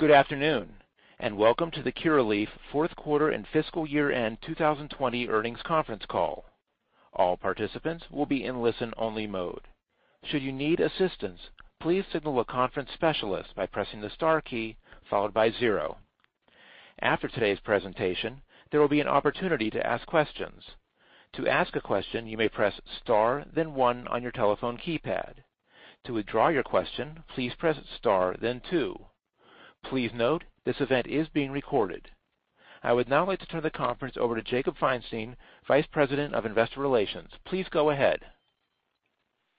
Good afternoon, and welcome to the Curaleaf Fourth Quarter and Fiscal Year-End 2020 Earnings Conference Call. All participants will be in listen-only mode. Should you need assistance, please signal a conference specialist by pressing the star key followed by zero. After today's presentation, there will be an opportunity to ask questions. To ask a question, you may press star, then one on your telephone keypad. To withdraw your question, please press star, then two. Please note this event is being recorded. I would now like to turn the conference over to Jacob Feinstein, Vice President of Investor Relations. Please go ahead.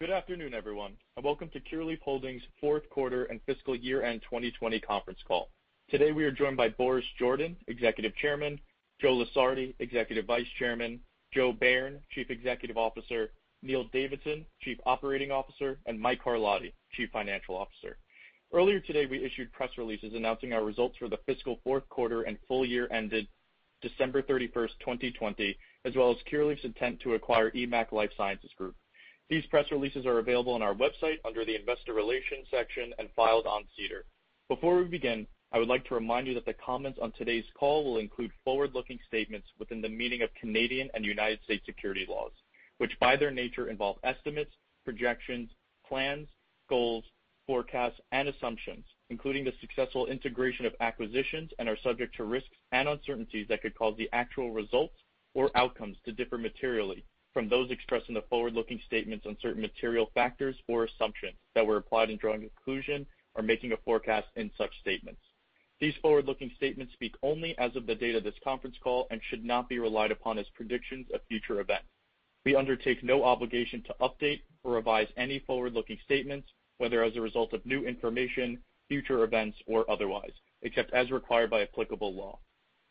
Good afternoon, everyone, and welcome to Curaleaf Holdings' Fourth Quarter and Fiscal Year-End 2020 Conference Call. Today we are joined by Boris Jordan, Executive Chairman, Joe Lusardi, Executive Vice Chairman, Joe Bayern, Chief Executive Officer, Neil Davidson, Chief Operating Officer, and Mike Carlotti, Chief Financial Officer. Earlier today, we issued press releases announcing our results for the fiscal fourth quarter and full year ended December 31st, 2020, as well as Curaleaf's intent to acquire EMMAC Life Sciences Group. These press releases are available on our website under the Investor Relations section and filed on SEDAR. Before we begin, I would like to remind you that the comments on today's call will include forward-looking statements within the meaning of Canadian and United States securities laws, which by their nature involve estimates, projections, plans, goals, forecasts, and assumptions, including the successful integration of acquisitions and are subject to risks and uncertainties that could cause the actual results or outcomes to differ materially from those expressed in the forward-looking statements on certain material factors or assumptions that were applied in drawing a conclusion or making a forecast in such statements. These forward-looking statements speak only as of the date of this conference call and should not be relied upon as predictions of future events. We undertake no obligation to update or revise any forward-looking statements, whether as a result of new information, future events, or otherwise, except as required by applicable law.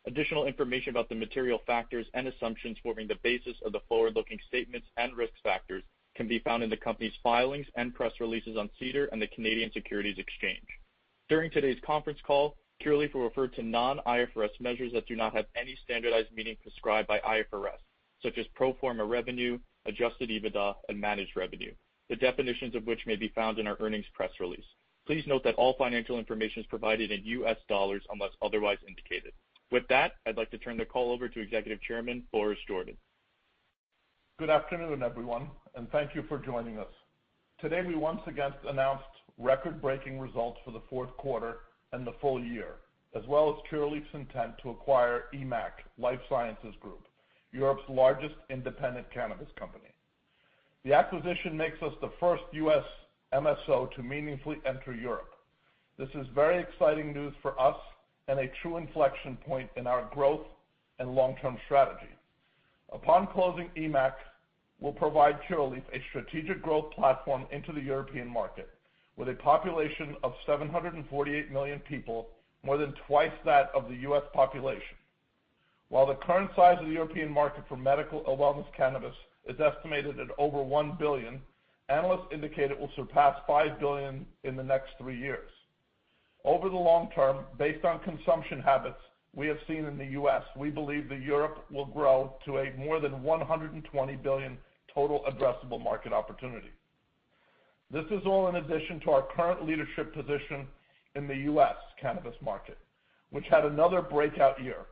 Additional information about the material factors and assumptions forming the basis of the forward-looking statements and risk factors can be found in the company's filings and press releases on SEDAR and the Canadian Securities Exchange. During today's conference call, Curaleaf will refer to non-IFRS measures that do not have any standardized meaning prescribed by IFRS, such as pro forma revenue, adjusted EBITDA, and managed revenue, the definitions of which may be found in our earnings press release. Please note that all financial information is provided in US dollars unless otherwise indicated. With that, I'd like to turn the call over to Executive Chairman Boris Jordan. Good afternoon, everyone, and thank you for joining us. Today we once again announced record-breaking results for the fourth quarter and the full year, as well as Curaleaf's intent to acquire EMMAC Life Sciences Group, Europe's largest independent cannabis company. The acquisition makes us the first U.S. MSO to meaningfully enter Europe. This is very exciting news for us and a true inflection point in our growth and long-term strategy. Upon closing EMMAC, we'll provide Curaleaf a strategic growth platform into the European market with a population of 748 million people, more than twice that of the U.S. population. While the current size of the European market for medical wellness cannabis is estimated at over 1 billion, analysts indicate it will surpass 5 billion in the next three years. Over the long term, based on consumption habits we have seen in the U.S., we believe that Europe will grow to a more than $120 billion total addressable market opportunity. This is all in addition to our current leadership position in the U.S. cannabis market, which had another breakout year.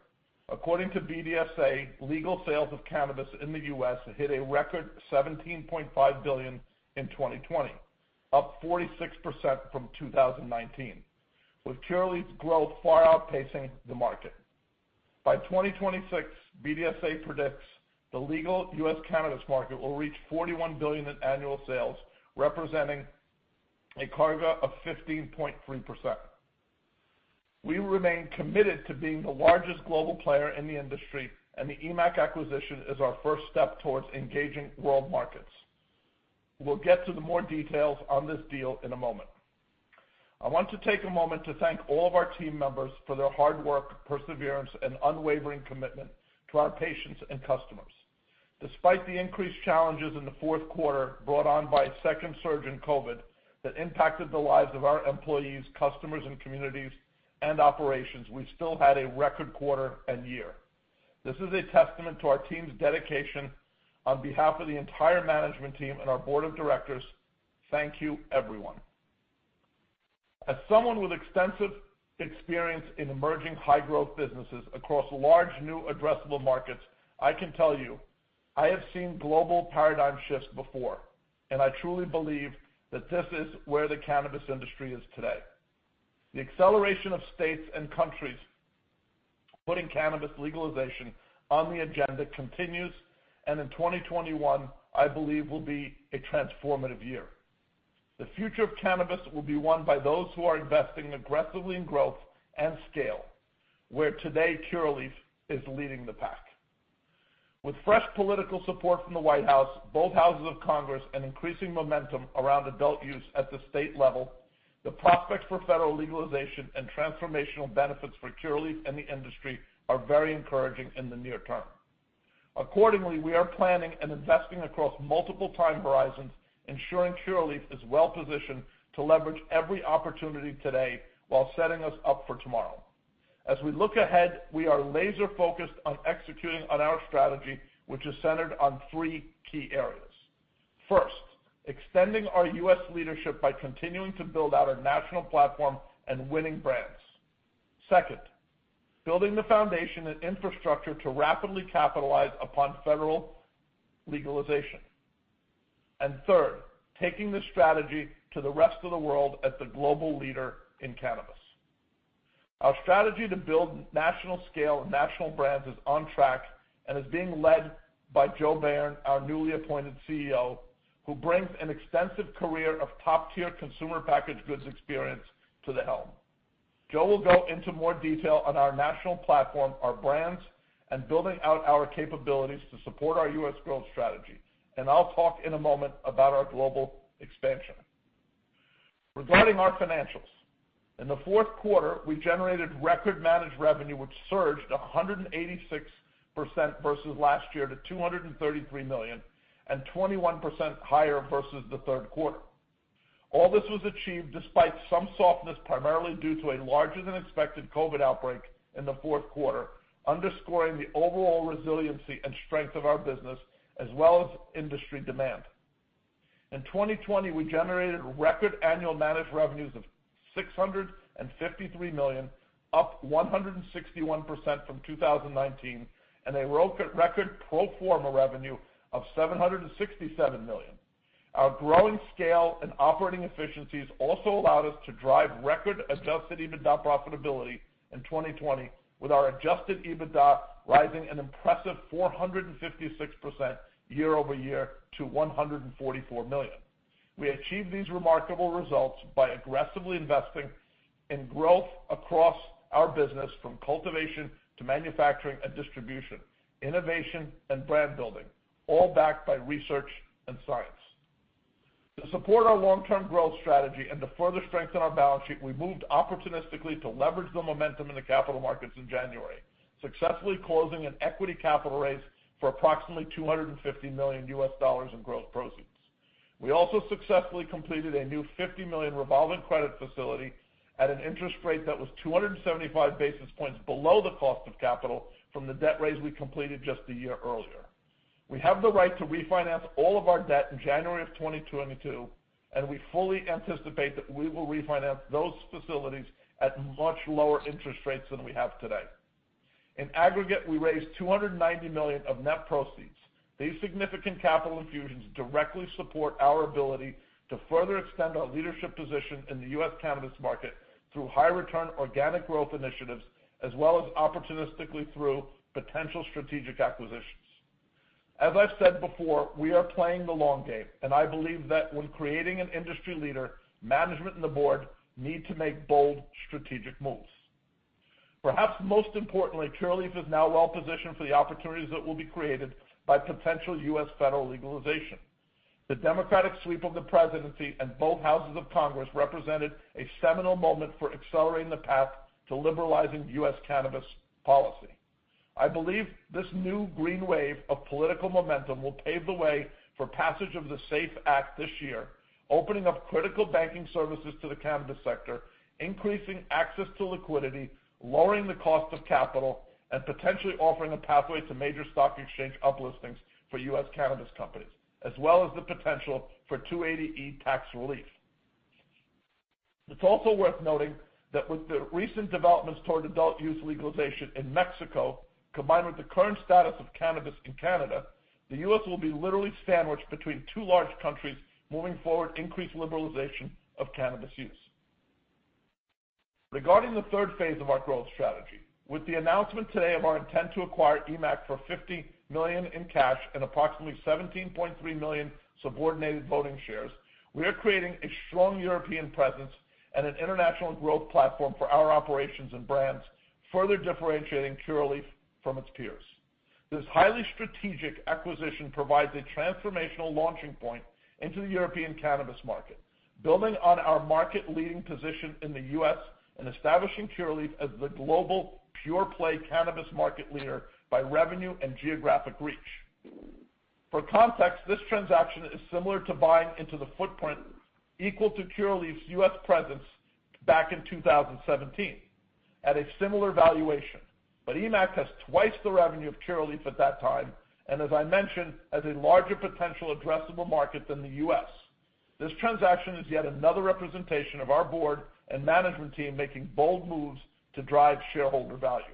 According to BDSA, legal sales of cannabis in the U.S. hit a record $17.5 billion in 2020, up 46% from 2019, with Curaleaf's growth far outpacing the market. By 2026, BDSA predicts the legal U.S. cannabis market will reach $41 billion in annual sales, representing a CAGR of 15.3%. We remain committed to being the largest global player in the industry, and the EMMAC acquisition is our first step towards engaging world markets. We'll get to the more details on this deal in a moment. I want to take a moment to thank all of our team members for their hard work, perseverance, and unwavering commitment to our patients and customers. Despite the increased challenges in the fourth quarter brought on by a second surge in COVID that impacted the lives of our employees, customers, and communities and operations, we still had a record quarter and year. This is a testament to our team's dedication. On behalf of the entire management team and our board of directors, thank you, everyone. As someone with extensive experience in emerging high-growth businesses across large new addressable markets, I can tell you I have seen global paradigm shifts before, and I truly believe that this is where the cannabis industry is today. The acceleration of states and countries putting cannabis legalization on the agenda continues, and in 2021, I believe it will be a transformative year. The future of cannabis will be won by those who are investing aggressively in growth and scale, where today Curaleaf is leading the pack. With fresh political support from the White House, both houses of Congress, and increasing momentum around adult use at the state level, the prospects for federal legalization and transformational benefits for Curaleaf and the industry are very encouraging in the near term. Accordingly, we are planning and investing across multiple time horizons, ensuring Curaleaf is well-positioned to leverage every opportunity today while setting us up for tomorrow. As we look ahead, we are laser-focused on executing on our strategy, which is centered on three key areas. First, extending our U.S. leadership by continuing to build out our national platform and winning brands. Second, building the foundation and infrastructure to rapidly capitalize upon federal legalization. And third, taking the strategy to the rest of the world as the global leader in cannabis. Our strategy to build national scale and national brands is on track and is being led by Joe Bayern, our newly appointed CEO, who brings an extensive career of top-tier consumer packaged goods experience to the helm. Joe will go into more detail on our national platform, our brands, and building out our capabilities to support our U.S. growth strategy, and I'll talk in a moment about our global expansion. Regarding our financials, in the fourth quarter, we generated record-managed revenue, which surged 186% versus last year to $233 million and 21% higher versus the third quarter. All this was achieved despite some softness, primarily due to a larger-than-expected COVID outbreak in the fourth quarter, underscoring the overall resiliency and strength of our business as well as industry demand. In 2020, we generated record annual managed revenues of $653 million, up 161% from 2019, and a record pro forma revenue of $767 million. Our growing scale and operating efficiencies also allowed us to drive record Adjusted EBITDA profitability in 2020, with our Adjusted EBITDA rising an impressive 456% year-over-year to $144 million. We achieved these remarkable results by aggressively investing in growth across our business, from cultivation to manufacturing and distribution, innovation, and brand building, all backed by research and science. To support our long-term growth strategy and to further strengthen our balance sheet, we moved opportunistically to leverage the momentum in the capital markets in January, successfully closing an equity capital raise for approximately $250 million in gross proceeds. We also successfully completed a new $50 million revolving credit facility at an interest rate that was 275 basis points below the cost of capital from the debt raise we completed just a year earlier. We have the right to refinance all of our debt in January of 2022, and we fully anticipate that we will refinance those facilities at much lower interest rates than we have today. In aggregate, we raised $290 million of net proceeds. These significant capital infusions directly support our ability to further extend our leadership position in the U.S. cannabis market through high-return organic growth initiatives, as well as opportunistically through potential strategic acquisitions. As I've said before, we are playing the long game, and I believe that when creating an industry leader, management and the board need to make bold strategic moves. Perhaps most importantly, Curaleaf is now well-positioned for the opportunities that will be created by potential U.S. federal legalization. The Democratic sweep of the presidency and both houses of Congress represented a seminal moment for accelerating the path to liberalizing U.S. cannabis policy. I believe this new green wave of political momentum will pave the way for passage of the SAFE Act this year, opening up critical banking services to the cannabis sector, increasing access to liquidity, lowering the cost of capital, and potentially offering a pathway to major stock exchange uplistings for U.S. cannabis companies, as well as the potential for 280E tax relief. It's also worth noting that with the recent developments toward adult use legalization in Mexico, combined with the current status of cannabis in Canada, the U.S. will be literally sandwiched between two large countries moving forward increased liberalization of cannabis use. Regarding the third phase of our growth strategy, with the announcement today of our intent to acquire EMMAC for $50 million in cash and approximately 17.3 million subordinated voting shares, we are creating a strong European presence and an international growth platform for our operations and brands, further differentiating Curaleaf from its peers. This highly strategic acquisition provides a transformational launching point into the European cannabis market, building on our market-leading position in the U.S. and establishing Curaleaf as the global pure-play cannabis market leader by revenue and geographic reach. For context, this transaction is similar to buying into the footprint equal to Curaleaf's U.S. presence back in 2017 at a similar valuation, but EMMAC has twice the revenue of Curaleaf at that time and, as I mentioned, has a larger potential addressable market than the U.S. This transaction is yet another representation of our board and management team making bold moves to drive shareholder value.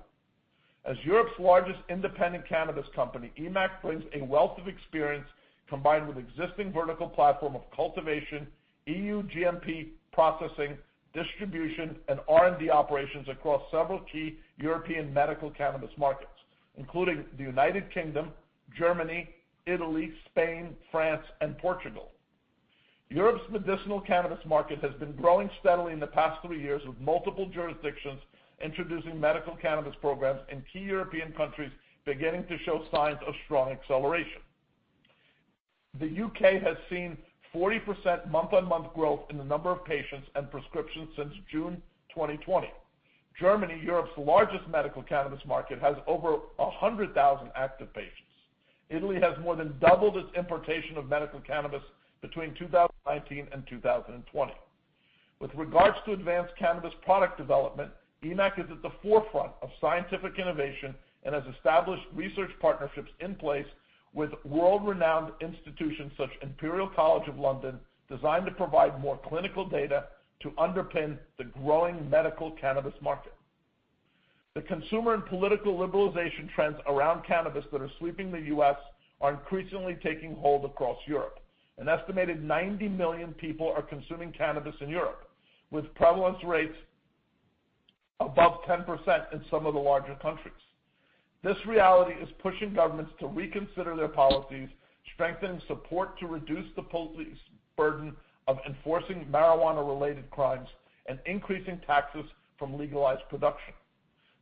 As Europe's largest independent cannabis company, EMMAC brings a wealth of experience combined with existing vertical platform of cultivation, EU GMP processing, distribution, and R&D operations across several key European medical cannabis markets, including the United Kingdom, Germany, Italy, Spain, France, and Portugal. Europe's medicinal cannabis market has been growing steadily in the past three years with multiple jurisdictions introducing medical cannabis programs in key European countries beginning to show signs of strong acceleration. The UK has seen 40% month-on-month growth in the number of patients and prescriptions since June 2020. Germany, Europe's largest medical cannabis market, has over 100,000 active patients. Italy has more than doubled its importation of medical cannabis between 2019 and 2020. With regards to advanced cannabis product development, EMMAC is at the forefront of scientific innovation and has established research partnerships in place with world-renowned institutions such as Imperial College London, designed to provide more clinical data to underpin the growing medical cannabis market. The consumer and political liberalization trends around cannabis that are sweeping the U.S. are increasingly taking hold across Europe. An estimated 90 million people are consuming cannabis in Europe, with prevalence rates above 10% in some of the larger countries. This reality is pushing governments to reconsider their policies, strengthening support to reduce the police burden of enforcing marijuana-related crimes and increasing taxes from legalized production.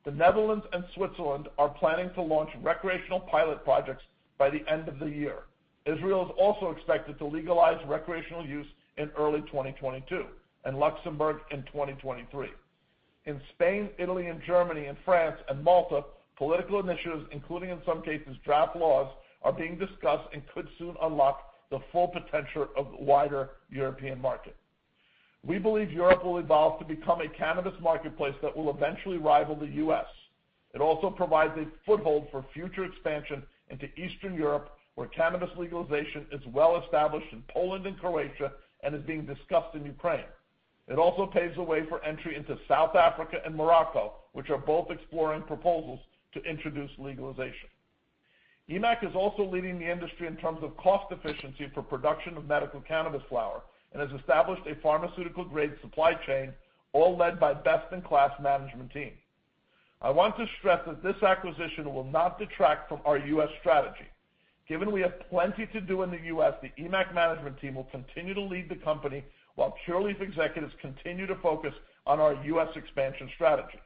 The Netherlands and Switzerland are planning to launch recreational pilot projects by the end of the year. Israel is also expected to legalize recreational use in early 2022 and Luxembourg in 2023. In Spain, Italy, Germany, France, and Malta, political initiatives, including in some cases draft laws, are being discussed and could soon unlock the full potential of the wider European market. We believe Europe will evolve to become a cannabis marketplace that will eventually rival the U.S. It also provides a foothold for future expansion into Eastern Europe, where cannabis legalization is well-established in Poland and Croatia and is being discussed in Ukraine. It also paves the way for entry into South Africa and Morocco, which are both exploring proposals to introduce legalization. EMMAC is also leading the industry in terms of cost efficiency for production of medical cannabis flower and has established a pharmaceutical-grade supply chain, all led by best-in-class management team. I want to stress that this acquisition will not detract from our U.S. strategy. Given we have plenty to do in the U.S., the EMMAC management team will continue to lead the company while Curaleaf executives continue to focus on our U.S. expansion strategy.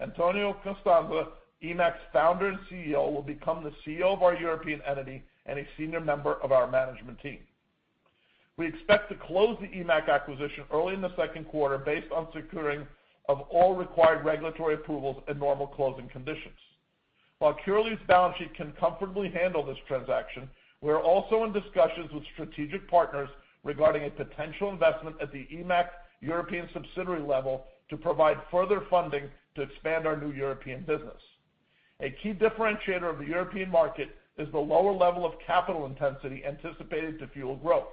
Antonio Costanzo, EMMAC's founder and CEO, will become the CEO of our European entity and a senior member of our management team. We expect to close the EMMAC acquisition early in the second quarter based on securing all required regulatory approvals and normal closing conditions. While Curaleaf's balance sheet can comfortably handle this transaction, we are also in discussions with strategic partners regarding a potential investment at the EMMAC European subsidiary level to provide further funding to expand our new European business. A key differentiator of the European market is the lower level of capital intensity anticipated to fuel growth.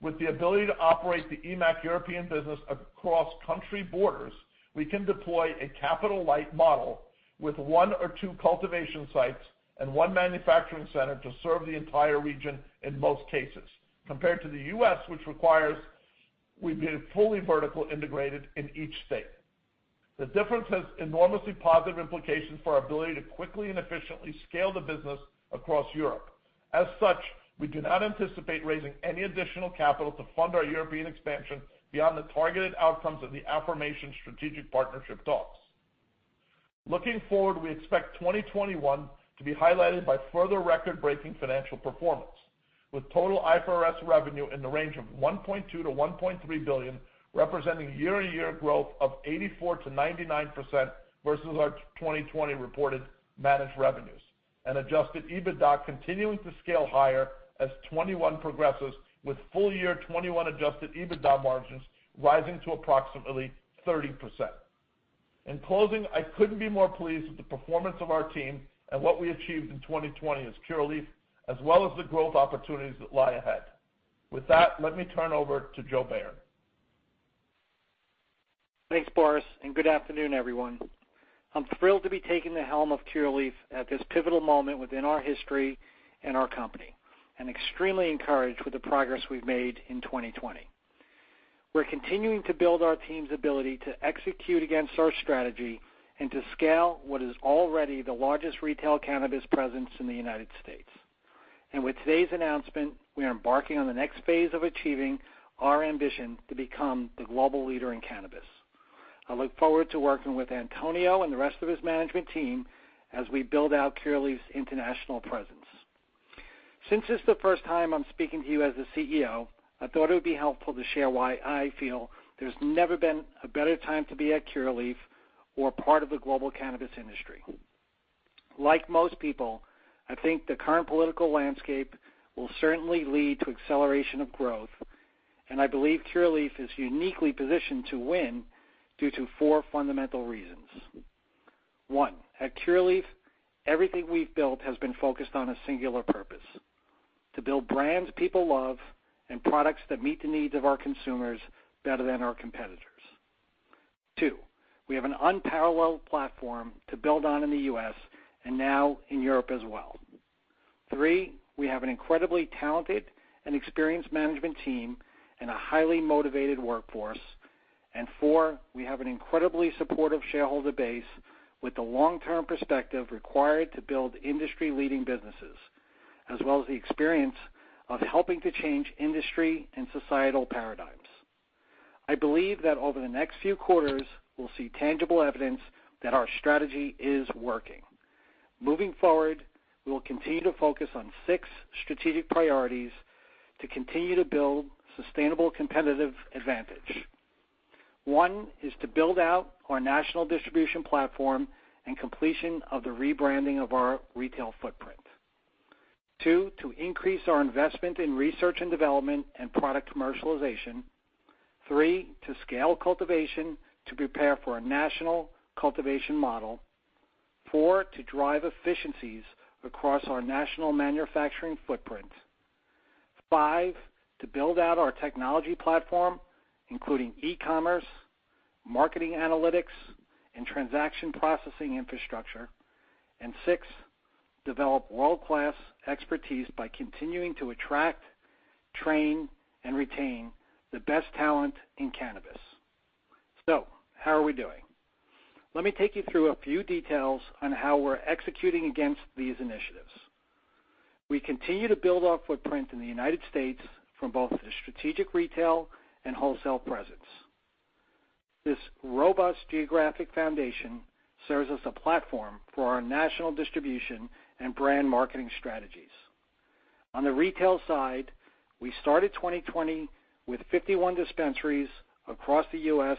With the ability to operate the EMMAC European business across country borders, we can deploy a capital-light model with one or two cultivation sites and one manufacturing center to serve the entire region in most cases, compared to the U.S., which requires we be fully vertically integrated in each state. The difference has enormously positive implications for our ability to quickly and efficiently scale the business across Europe. As such, we do not anticipate raising any additional capital to fund our European expansion beyond the targeted outcomes of the EMMAC strategic partnership talks. Looking forward, we expect 2021 to be highlighted by further record-breaking financial performance, with total IFRS revenue in the range of $1.2 billion-$1.3 billion, representing year-on-year growth of 84%-99% versus our 2020 reported managed revenues, and adjusted EBITDA continuing to scale higher as 21 progresses, with full-year 21 adjusted EBITDA margins rising to approximately 30%. In closing, I couldn't be more pleased with the performance of our team and what we achieved in 2020 as Curaleaf, as well as the growth opportunities that lie ahead. With that, let me turn over to Joe Bayern. Thanks, Boris, and good afternoon, everyone. I'm thrilled to be taking the helm of Curaleaf at this pivotal moment within our history and our company and extremely encouraged with the progress we've made in 2020. We're continuing to build our team's ability to execute against our strategy and to scale what is already the largest retail cannabis presence in the United States. And with today's announcement, we are embarking on the next phase of achieving our ambition to become the global leader in cannabis. I look forward to working with Antonio and the rest of his management team as we build out Curaleaf's international presence. Since it's the first time I'm speaking to you as the CEO, I thought it would be helpful to share why I feel there's never been a better time to be at Curaleaf or part of the global cannabis industry. Like most people, I think the current political landscape will certainly lead to acceleration of growth, and I believe Curaleaf is uniquely positioned to win due to four fundamental reasons. One, at Curaleaf, everything we've built has been focused on a singular purpose: to build brands people love and products that meet the needs of our consumers better than our competitors. Two, we have an unparalleled platform to build on in the U.S. and now in Europe as well. Three, we have an incredibly talented and experienced management team and a highly motivated workforce. And four, we have an incredibly supportive shareholder base with the long-term perspective required to build industry-leading businesses, as well as the experience of helping to change industry and societal paradigms. I believe that over the next few quarters, we'll see tangible evidence that our strategy is working. Moving forward, we will continue to focus on six strategic priorities to continue to build sustainable competitive advantage. One is to build out our national distribution platform and completion of the rebranding of our retail footprint. Two, to increase our investment in research and development and product commercialization. Three, to scale cultivation to prepare for a national cultivation model. Four, to drive efficiencies across our national manufacturing footprint. Five, to build out our technology platform, including e-commerce, marketing analytics, and transaction processing infrastructure. And six, develop world-class expertise by continuing to attract, train, and retain the best talent in cannabis. So how are we doing? Let me take you through a few details on how we're executing against these initiatives. We continue to build our footprint in the United States from both the strategic retail and wholesale presence. This robust geographic foundation serves as a platform for our national distribution and brand marketing strategies. On the retail side, we started 2020 with 51 dispensaries across the U.S.,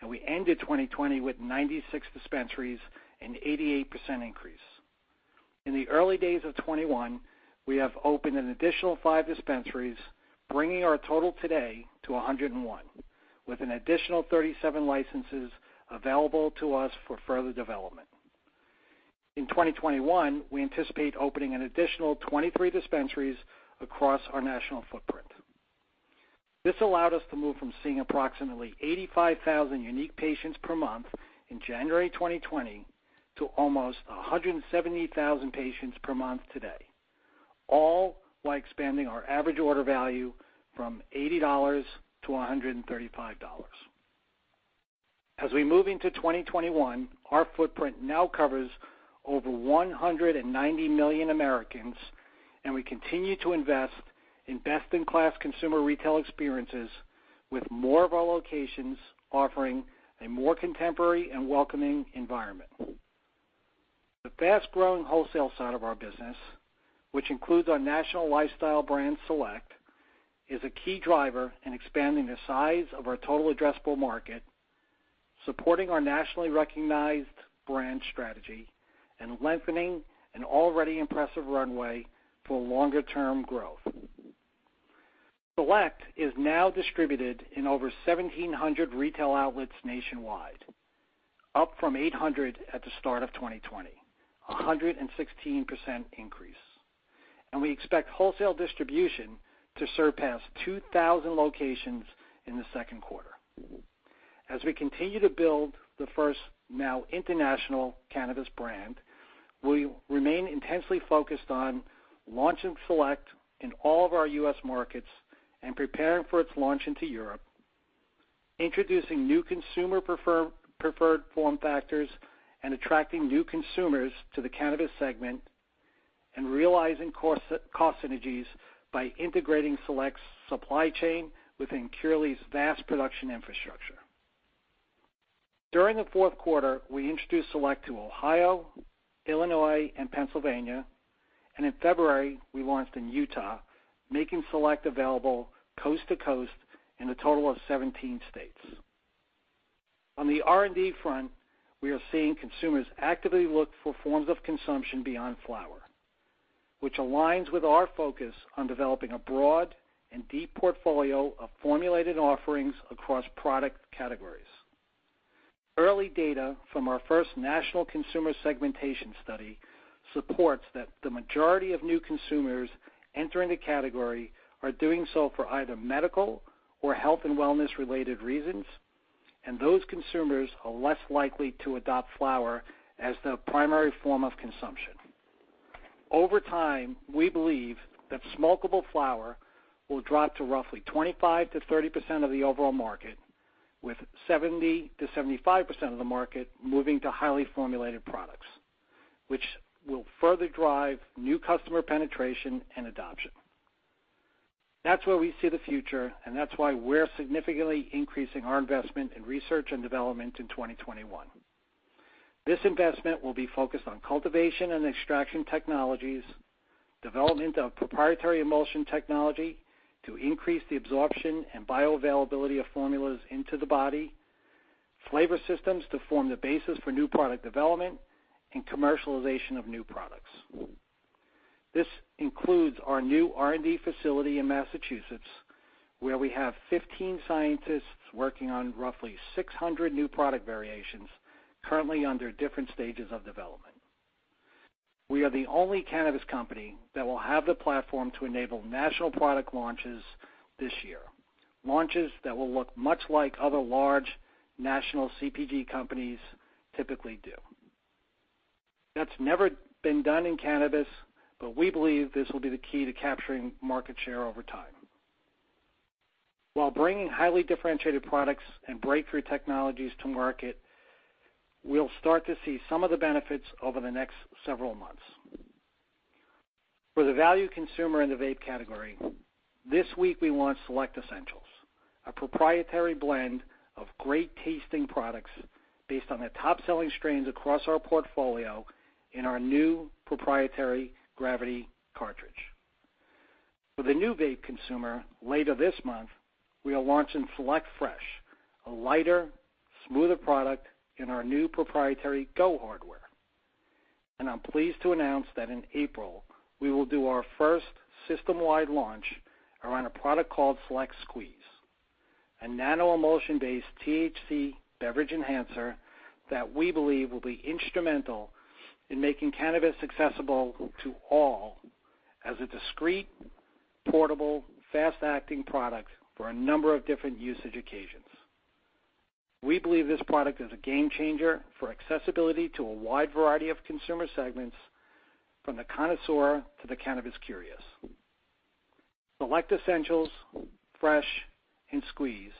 and we ended 2020 with 96 dispensaries and an 88% increase. In the early days of 2021, we have opened an additional five dispensaries, bringing our total today to 101, with an additional 37 licenses available to us for further development. In 2021, we anticipate opening an additional 23 dispensaries across our national footprint. This allowed us to move from seeing approximately 85,000 unique patients per month in January 2020 to almost 170,000 patients per month today, all while expanding our average order value from $80-$135. As we move into 2021, our footprint now covers over 190 million Americans, and we continue to invest in best-in-class consumer retail experiences, with more of our locations offering a more contemporary and welcoming environment. The fast-growing wholesale side of our business, which includes our national lifestyle brand Select, is a key driver in expanding the size of our total addressable market, supporting our nationally recognized brand strategy, and lengthening an already impressive runway for longer-term growth. Select is now distributed in over 1,700 retail outlets nationwide, up from 800 at the start of 2020, a 116% increase, and we expect wholesale distribution to surpass 2,000 locations in the second quarter. As we continue to build the first now international cannabis brand, we remain intensely focused on launching Select in all of our U.S. markets and preparing for its launch into Europe, introducing new consumer preferred form factors and attracting new consumers to the cannabis segment, and realizing cost synergies by integrating Select's supply chain within Curaleaf's vast production infrastructure. During the fourth quarter, we introduced Select to Ohio, Illinois, and Pennsylvania, and in February, we launched in Utah, making Select available coast to coast in a total of 17 states. On the R&D front, we are seeing consumers actively look for forms of consumption beyond flower, which aligns with our focus on developing a broad and deep portfolio of formulated offerings across product categories. Early data from our first national consumer segmentation study supports that the majority of new consumers entering the category are doing so for either medical or health and wellness-related reasons, and those consumers are less likely to adopt flower as the primary form of consumption. Over time, we believe that smokable flower will drop to roughly 25%-30% of the overall market, with 70%-75% of the market moving to highly formulated products, which will further drive new customer penetration and adoption. That's where we see the future, and that's why we're significantly increasing our investment in research and development in 2021. This investment will be focused on cultivation and extraction technologies, development of proprietary emulsion technology to increase the absorption and bioavailability of formulas into the body, flavor systems to form the basis for new product development, and commercialization of new products. This includes our new R&D facility in Massachusetts, where we have 15 scientists working on roughly 600 new product variations currently under different stages of development. We are the only cannabis company that will have the platform to enable national product launches this year, launches that will look much like other large national CPG companies typically do. That's never been done in cannabis, but we believe this will be the key to capturing market share over time. While bringing highly differentiated products and breakthrough technologies to market, we'll start to see some of the benefits over the next several months. For the value consumer in the vape category, this week we launched Select Essentials, a proprietary blend of great tasting products based on the top-selling strains across our portfolio in our new proprietary Gravity Cartridge. For the new vape consumer, later this month, we are launching Select Fresh, a lighter, smoother product in our new proprietary Go hardware. And I'm pleased to announce that in April, we will do our first system-wide launch around a product called Select Squeeze, a nano-emulsion-based THC beverage enhancer that we believe will be instrumental in making cannabis accessible to all as a discreet, portable, fast-acting product for a number of different usage occasions. We believe this product is a game changer for accessibility to a wide variety of consumer segments, from the connoisseur to the cannabis curious. Select Essentials, Fresh, and Squeeze,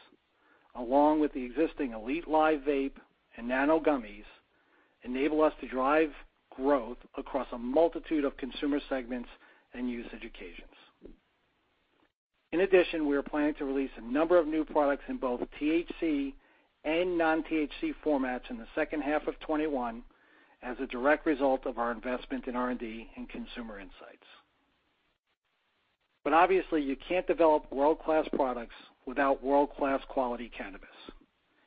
along with the existing Elite Live Vape and Nano Gummies, enable us to drive growth across a multitude of consumer segments and usage occasions. In addition, we are planning to release a number of new products in both THC and non-THC formats in the second half of 2021 as a direct result of our investment in R&D and consumer insights. But obviously, you can't develop world-class products without world-class quality cannabis.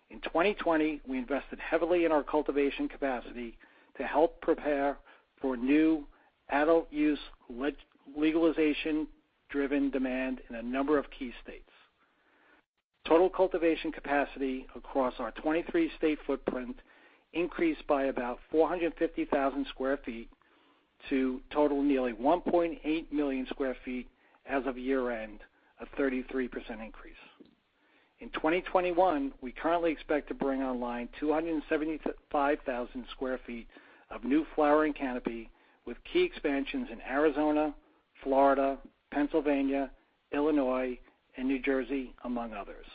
In 2020, we invested heavily in our cultivation capacity to help prepare for new adult-use legalization-driven demand in a number of key states. Total cultivation capacity across our 23-state footprint increased by about 450,000 sq ft to total nearly 1.8 million sq ft as of year-end, a 33% increase. In 2021, we currently expect to bring online 275,000 sq ft of new flowering canopy with key expansions in Arizona, Florida, Pennsylvania, Illinois, and New Jersey, among others.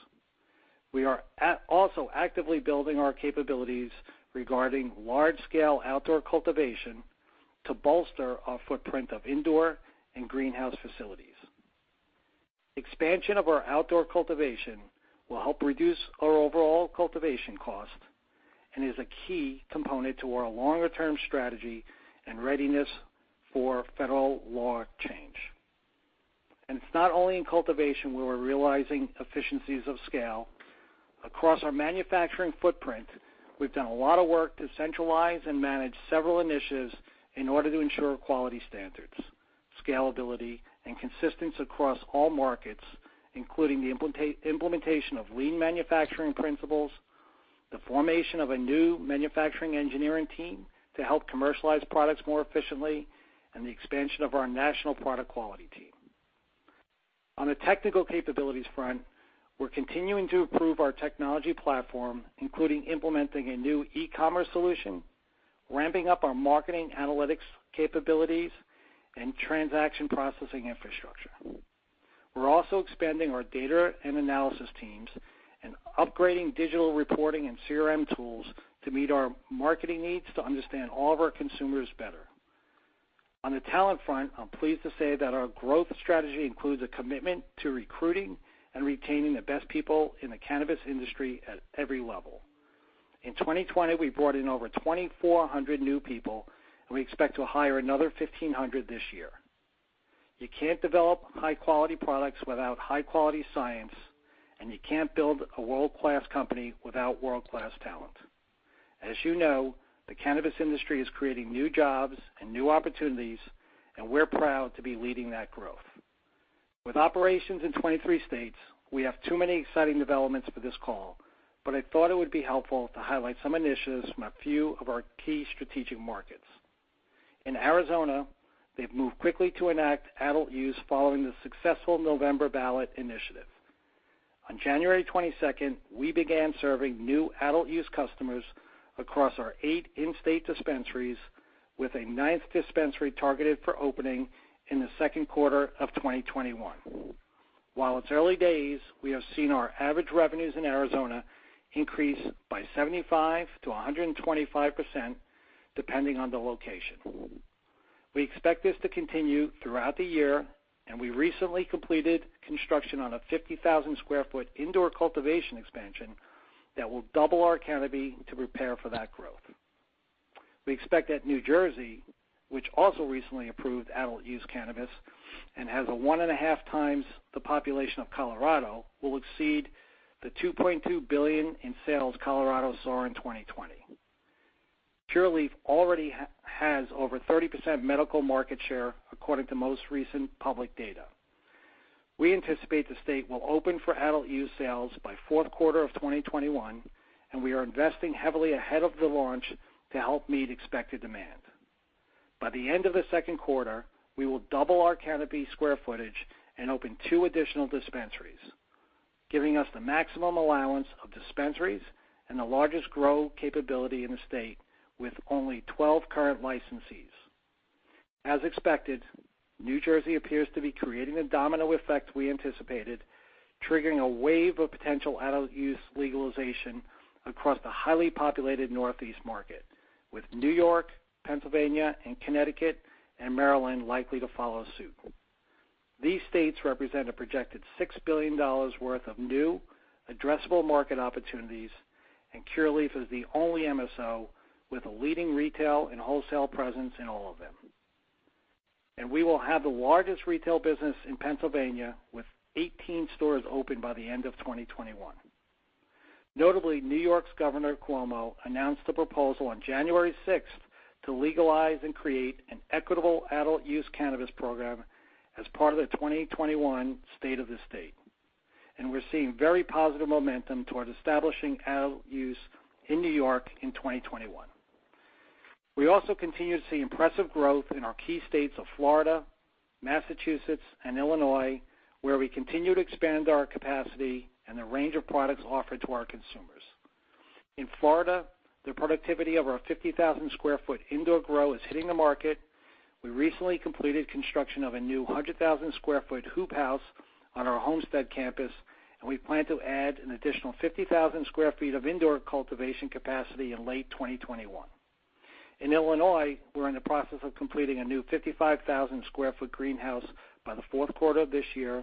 We are also actively building our capabilities regarding large-scale outdoor cultivation to bolster our footprint of indoor and greenhouse facilities. Expansion of our outdoor cultivation will help reduce our overall cultivation cost and is a key component to our longer-term strategy and readiness for federal law change, and it's not only in cultivation where we're realizing economies of scale. Across our manufacturing footprint, we've done a lot of work to centralize and manage several initiatives in order to ensure quality standards, scalability, and consistency across all markets, including the implementation of lean manufacturing principles, the formation of a new manufacturing engineering team to help commercialize products more efficiently, and the expansion of our national product quality team. On the technical capabilities front, we're continuing to improve our technology platform, including implementing a new e-commerce solution, ramping up our marketing analytics capabilities, and transaction processing infrastructure. We're also expanding our data and analysis teams and upgrading digital reporting and CRM tools to meet our marketing needs to understand all of our consumers better. On the talent front, I'm pleased to say that our growth strategy includes a commitment to recruiting and retaining the best people in the cannabis industry at every level. In 2020, we brought in over 2,400 new people, and we expect to hire another 1,500 this year. You can't develop high-quality products without high-quality science, and you can't build a world-class company without world-class talent. As you know, the cannabis industry is creating new jobs and new opportunities, and we're proud to be leading that growth. With operations in 23 states, we have too many exciting developments for this call, but I thought it would be helpful to highlight some initiatives from a few of our key strategic markets. In Arizona, they've moved quickly to enact adult use following the successful November ballot initiative. On January 22nd, we began serving new adult use customers across our eight in-state dispensaries, with a ninth dispensary targeted for opening in the second quarter of 2021. While it's early days, we have seen our average revenues in Arizona increase by 75%-125%, depending on the location. We expect this to continue throughout the year, and we recently completed construction on a 50,000 sq ft indoor cultivation expansion that will double our canopy to prepare for that growth. We expect that New Jersey, which also recently approved adult use cannabis and has one and a half times the population of Colorado, will exceed the $2.2 billion in sales Colorado saw in 2020. Curaleaf already has over 30% medical market share, according to most recent public data. We anticipate the state will open for adult use sales by fourth quarter of 2021, and we are investing heavily ahead of the launch to help meet expected demand. By the end of the second quarter, we will double our canopy square footage and open two additional dispensaries, giving us the maximum allowance of dispensaries and the largest growth capability in the state with only 12 current licensees. As expected, New Jersey appears to be creating the domino effect we anticipated, triggering a wave of potential adult use legalization across the highly populated Northeast market, with New York, Pennsylvania, and Connecticut, and Maryland likely to follow suit. These states represent a projected $6 billion worth of new addressable market opportunities, and Curaleaf is the only MSO with a leading retail and wholesale presence in all of them. And we will have the largest retail business in Pennsylvania with 18 stores open by the end of 2021. Notably, New York's Governor Cuomo announced a proposal on January 6th to legalize and create an equitable adult use cannabis program as part of the 2021 State of the State. And we're seeing very positive momentum toward establishing adult use in New York in 2021. We also continue to see impressive growth in our key states of Florida, Massachusetts, and Illinois, where we continue to expand our capacity and the range of products offered to our consumers. In Florida, the productivity of our 50,000 sq ft indoor grow is hitting the market. We recently completed construction of a new 100,000 sq ft hoop house on our Homestead campus, and we plan to add an additional 50,000 sq ft of indoor cultivation capacity in late 2021. In Illinois, we're in the process of completing a new 55,000 sq ft greenhouse by the fourth quarter of this year.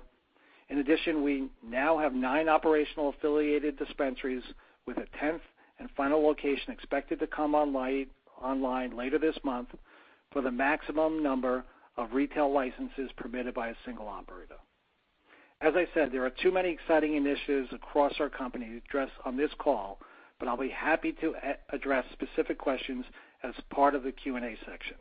In addition, we now have nine operational affiliated dispensaries, with a 10th and final location expected to come online later this month for the maximum number of retail licenses permitted by a single operator. As I said, there are too many exciting initiatives across our company to address on this call, but I'll be happy to address specific questions as part of the Q&A section.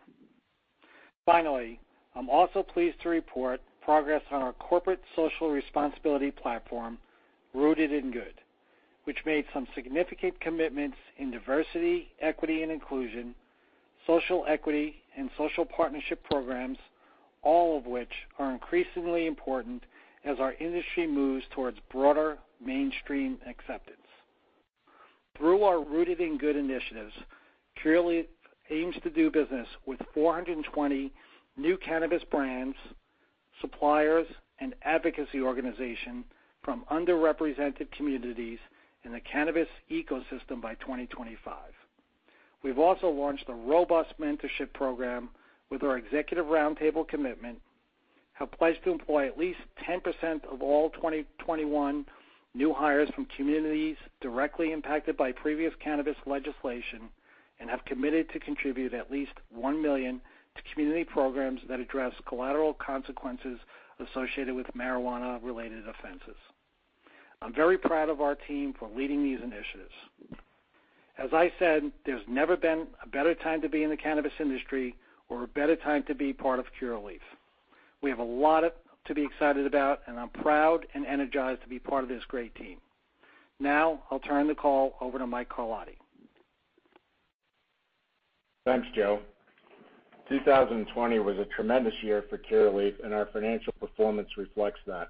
Finally, I'm also pleased to report progress on our corporate social responsibility platform, Rooted in Good, which made some significant commitments in diversity, equity, and inclusion, social equity, and social partnership programs, all of which are increasingly important as our industry moves towards broader mainstream acceptance. Through our Rooted in Good initiatives, Curaleaf aims to do business with 420 new cannabis brands, suppliers, and advocacy organizations from underrepresented communities in the cannabis ecosystem by 2025. We've also launched a robust mentorship program with our executive roundtable commitment, have pledged to employ at least 10% of all 2021 new hires from communities directly impacted by previous cannabis legislation, and have committed to contribute at least $1 million to community programs that address collateral consequences associated with marijuana-related offenses. I'm very proud of our team for leading these initiatives. As I said, there's never been a better time to be in the cannabis industry or a better time to be part of Curaleaf. We have a lot to be excited about, and I'm proud and energized to be part of this great team. Now, I'll turn the call over to Mike Carlotti. Thanks, Joe. 2020 was a tremendous year for Curaleaf, and our financial performance reflects that.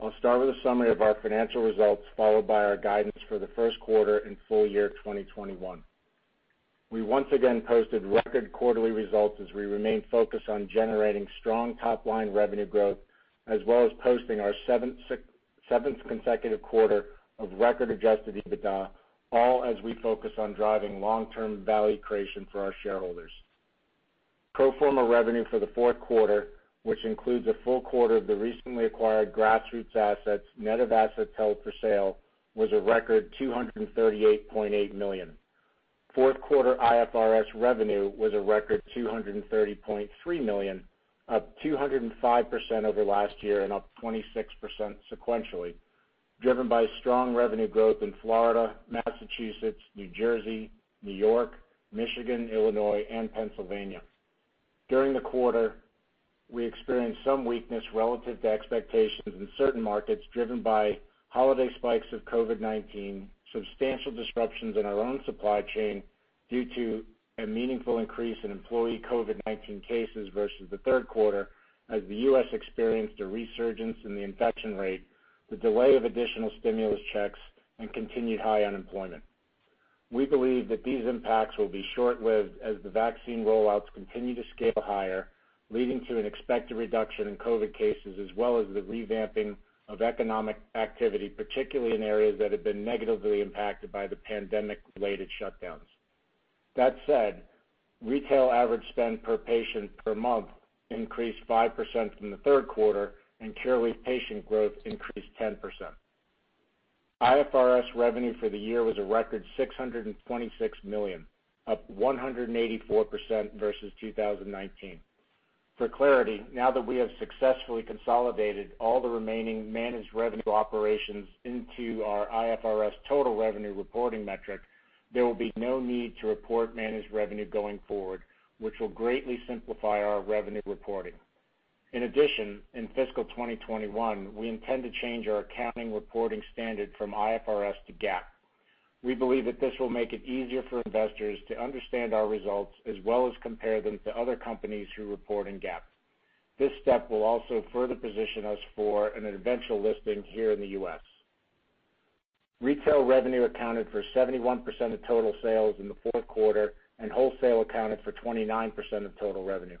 I'll start with a summary of our financial results, followed by our guidance for the first quarter and full year 2021. We once again posted record quarterly results as we remain focused on generating strong top-line revenue growth, as well as posting our seventh consecutive quarter of record Adjusted EBITDA, all as we focus on driving long-term value creation for our shareholders. Pro forma revenue for the fourth quarter, which includes a full quarter of the recently acquired Grassroots assets, net of assets held for sale, was a record $238.8 million. Fourth quarter IFRS revenue was a record $230.3 million, up 205% over last year and up 26% sequentially, driven by strong revenue growth in Florida, Massachusetts, New Jersey, New York, Michigan, Illinois, and Pennsylvania. During the quarter, we experienced some weakness relative to expectations in certain markets, driven by holiday spikes of COVID-19, substantial disruptions in our own supply chain due to a meaningful increase in employee COVID-19 cases versus the third quarter, as the U.S. experienced a resurgence in the infection rate, the delay of additional stimulus checks, and continued high unemployment. We believe that these impacts will be short-lived as the vaccine rollouts continue to scale higher, leading to an expected reduction in COVID cases, as well as the revamping of economic activity, particularly in areas that have been negatively impacted by the pandemic-related shutdowns. That said, retail average spend per patient per month increased 5% from the third quarter, and Curaleaf patient growth increased 10%. IFRS revenue for the year was a record $626 million, up 184% versus 2019. For clarity, now that we have successfully consolidated all the remaining managed revenue operations into our IFRS total revenue reporting metric, there will be no need to report managed revenue going forward, which will greatly simplify our revenue reporting. In addition, in fiscal 2021, we intend to change our accounting reporting standard from IFRS to GAAP. We believe that this will make it easier for investors to understand our results as well as compare them to other companies who report in GAAP. This step will also further position us for an eventual listing here in the U.S.. Retail revenue accounted for 71% of total sales in the fourth quarter, and wholesale accounted for 29% of total revenue.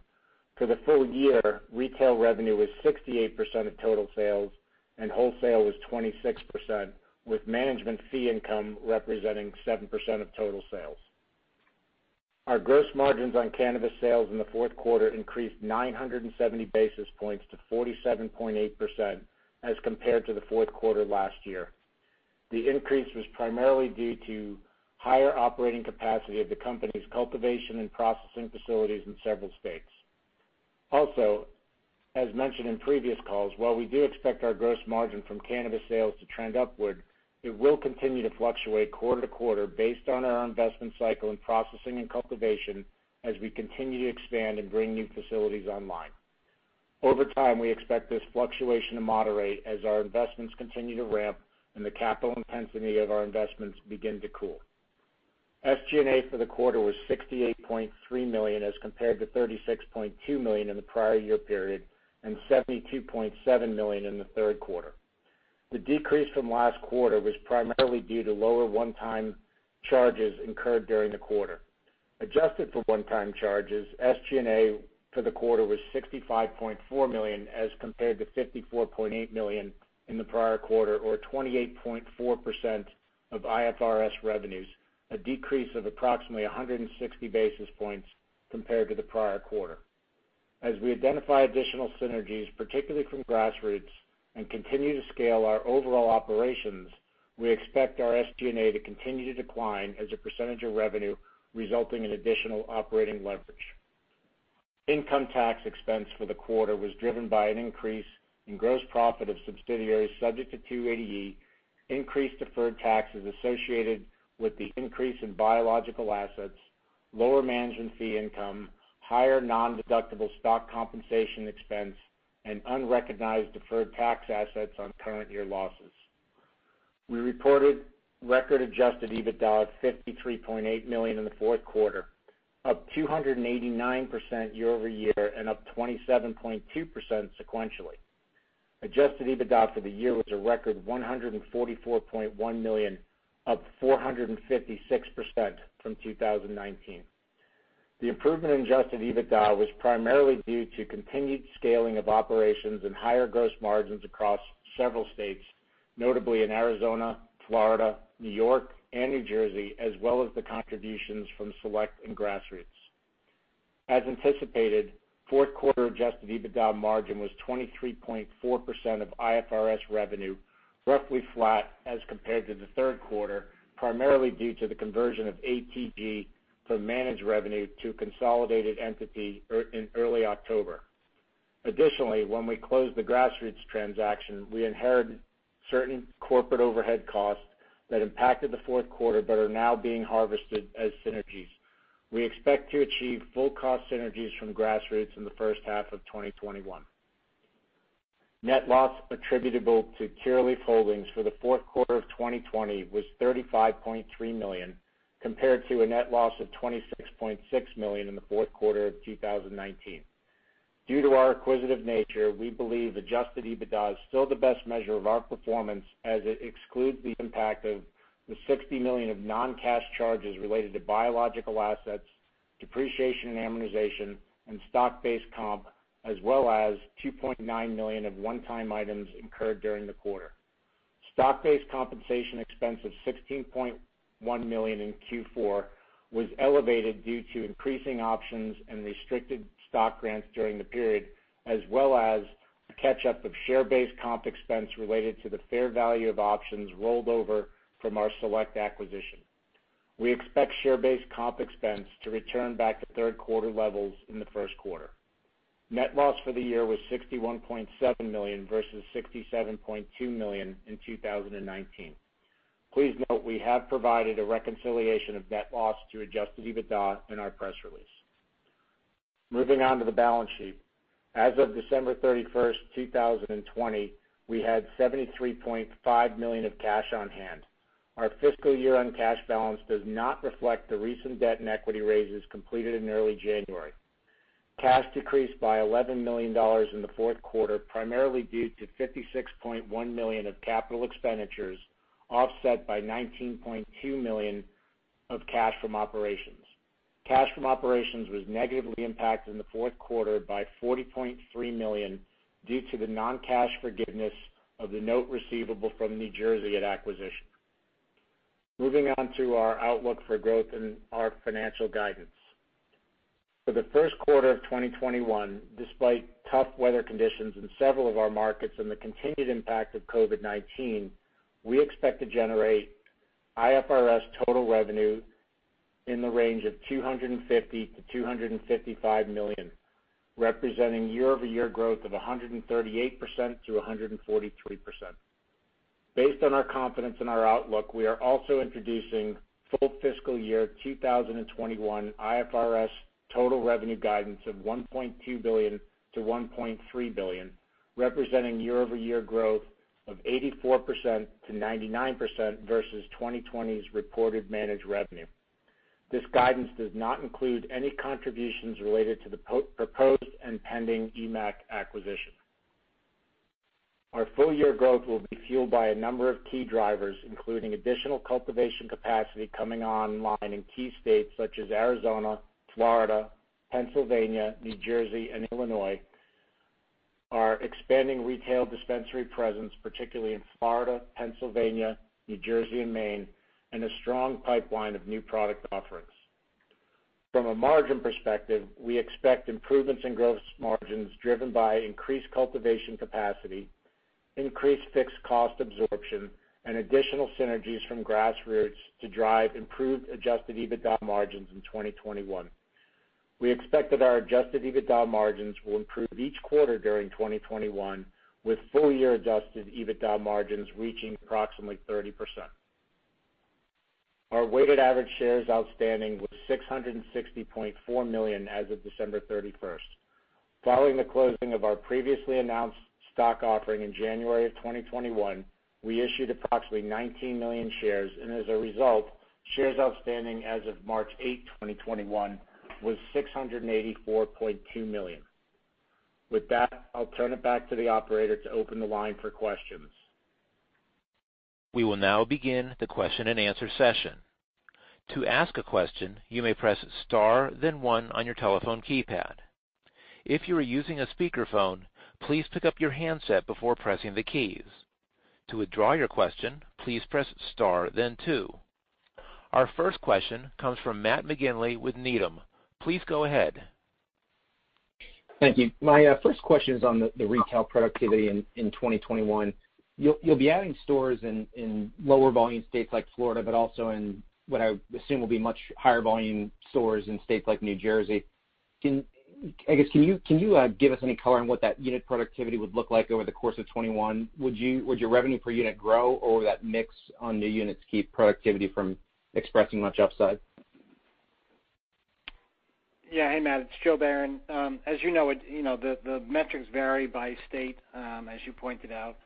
For the full year, retail revenue was 68% of total sales, and wholesale was 26%, with management fee income representing 7% of total sales. Our gross margins on cannabis sales in the fourth quarter increased 970 basis points to 47.8% as compared to the fourth quarter last year. The increase was primarily due to higher operating capacity of the company's cultivation and processing facilities in several states. Also, as mentioned in previous calls, while we do expect our gross margin from cannabis sales to trend upward, it will continue to fluctuate quarter to quarter based on our investment cycle in processing and cultivation as we continue to expand and bring new facilities online. Over time, we expect this fluctuation to moderate as our investments continue to ramp and the capital intensity of our investments begin to cool. SG&A for the quarter was $68.3 million as compared to $36.2 million in the prior year period and $72.7 million in the third quarter. The decrease from last quarter was primarily due to lower one-time charges incurred during the quarter. Adjusted for one-time charges, SG&A for the quarter was $65.4 million as compared to $54.8 million in the prior quarter, or 28.4% of IFRS revenues, a decrease of approximately 160 basis points compared to the prior quarter. As we identify additional synergies, particularly from Grassroots, and continue to scale our overall operations, we expect our SG&A to continue to decline as a percentage of revenue resulting in additional operating leverage. Income tax expense for the quarter was driven by an increase in gross profit of subsidiaries subject to 280E, increased deferred taxes associated with the increase in biological assets, lower management fee income, higher non-deductible stock compensation expense, and unrecognized deferred tax assets on current year losses. We reported record-adjusted EBITDA of $53.8 million in the fourth quarter, up 289% year-over-year and up 27.2% sequentially. Adjusted EBITDA for the year was a record $144.1 million, up 456% from 2019. The improvement in adjusted EBITDA was primarily due to continued scaling of operations and higher gross margins across several states, notably in Arizona, Florida, New York, and New Jersey, as well as the contributions from Select and Grassroots. As anticipated, fourth quarter adjusted EBITDA margin was 23.4% of IFRS revenue, roughly flat as compared to the third quarter, primarily due to the conversion of ATG from managed revenue to consolidated entity in early October. Additionally, when we closed the Grassroots transaction, we inherited certain corporate overhead costs that impacted the fourth quarter but are now being harvested as synergies. We expect to achieve full-cost synergies from Grassroots in the first half of 2021. Net loss attributable to Curaleaf Holdings for the fourth quarter of 2020 was $35.3 million, compared to a net loss of $26.6 million in the fourth quarter of 2019. Due to our acquisitive nature, we believe adjusted EBITDA is still the best measure of our performance as it excludes the impact of the $60 million of non-cash charges related to biological assets, depreciation and amortization, and stock-based comp, as well as $2.9 million of one-time items incurred during the quarter. Stock-based compensation expense of $16.1 million in Q4 was elevated due to increasing options and restricted stock grants during the period, as well as a catch-up of share-based comp expense related to the fair value of options rolled over from our Select acquisition. We expect share-based comp expense to return back to third quarter levels in the first quarter. Net loss for the year was $61.7 million versus $67.2 million in 2019. Please note we have provided a reconciliation of net loss to Adjusted EBITDA in our press release. Moving on to the balance sheet. As of December 31st, 2020, we had $73.5 million of cash on hand. Our fiscal year-end cash balance does not reflect the recent debt and equity raises completed in early January. Cash decreased by $11 million in the fourth quarter, primarily due to $56.1 million of capital expenditures offset by $19.2 million of cash from operations. Cash from operations was negatively impacted in the fourth quarter by $40.3 million due to the non-cash forgiveness of the note receivable from New Jersey at acquisition. Moving on to our outlook for growth in our financial guidance. For the first quarter of 2021, despite tough weather conditions in several of our markets and the continued impact of COVID-19, we expect to generate IFRS total revenue in the range of $250 million-$255 million, representing year-over-year growth of 138%-143%. Based on our confidence in our outlook, we are also introducing full fiscal year 2021 IFRS total revenue guidance of $1.2 billion-$1.3 billion, representing year-over-year growth of 84%-99% versus 2020's reported managed revenue. This guidance does not include any contributions related to the proposed and pending EMMAC acquisition. Our full-year growth will be fueled by a number of key drivers, including additional cultivation capacity coming online in key states such as Arizona, Florida, Pennsylvania, New Jersey, and Illinois, our expanding retail dispensary presence, particularly in Florida, Pennsylvania, New Jersey, and Maine, and a strong pipeline of new product offerings. From a margin perspective, we expect improvements in gross margins driven by increased cultivation capacity, increased fixed cost absorption, and additional synergies from Grassroots to drive improved Adjusted EBITDA margins in 2021. We expect that our Adjusted EBITDA margins will improve each quarter during 2021, with full-year Adjusted EBITDA margins reaching approximately 30%. Our weighted average shares outstanding was 660.4 million as of December 31st. Following the closing of our previously announced stock offering in January of 2021, we issued approximately 19 million shares, and as a result, shares outstanding as of March 8, 2021, was 684.2 million. With that, I'll turn it back to the operator to open the line for questions. We will now begin the question-and-answer session. To ask a question, you may press star, then one on your telephone keypad. If you are using a speakerphone, please pick up your handset before pressing the keys. To withdraw your question, please press star, then two. Our first question comes from Matt McGinley with Needham. Please go ahead. Thank you. My first question is on the retail productivity in 2021. You'll be adding stores in lower-volume states like Florida, but also in what I assume will be much higher-volume stores in states like New Jersey. I guess, can you give us any color on what that unit productivity would look like over the course of 2021? Would your revenue per unit grow, or would that mix on new units keep productivity from expressing much upside? Yeah. Hey, Matt. It's Joe Bayern. As you know, the metrics vary by state, as you pointed out.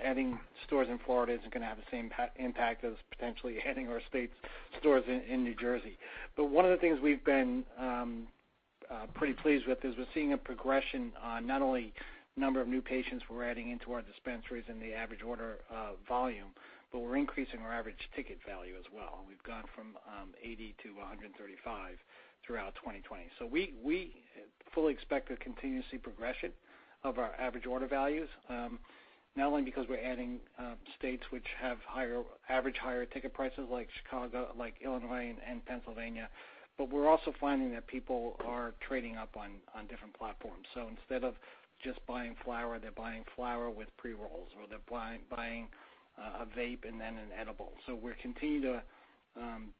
Adding stores in Florida isn't going to have the same impact as potentially adding our state's stores in New Jersey. But one of the things we've been pretty pleased with is we're seeing a progression on not only the number of new patients we're adding into our dispensaries and the average order volume, but we're increasing our average ticket value as well. We've gone from $80-$135 throughout 2020. So we fully expect a continuous progression of our average order values, not only because we're adding states which have average higher ticket prices like Illinois and Pennsylvania, but we're also finding that people are trading up on different platforms. So instead of just buying flower, they're buying flower with pre-rolls, or they're buying a vape and then an edible. So, we're continuing to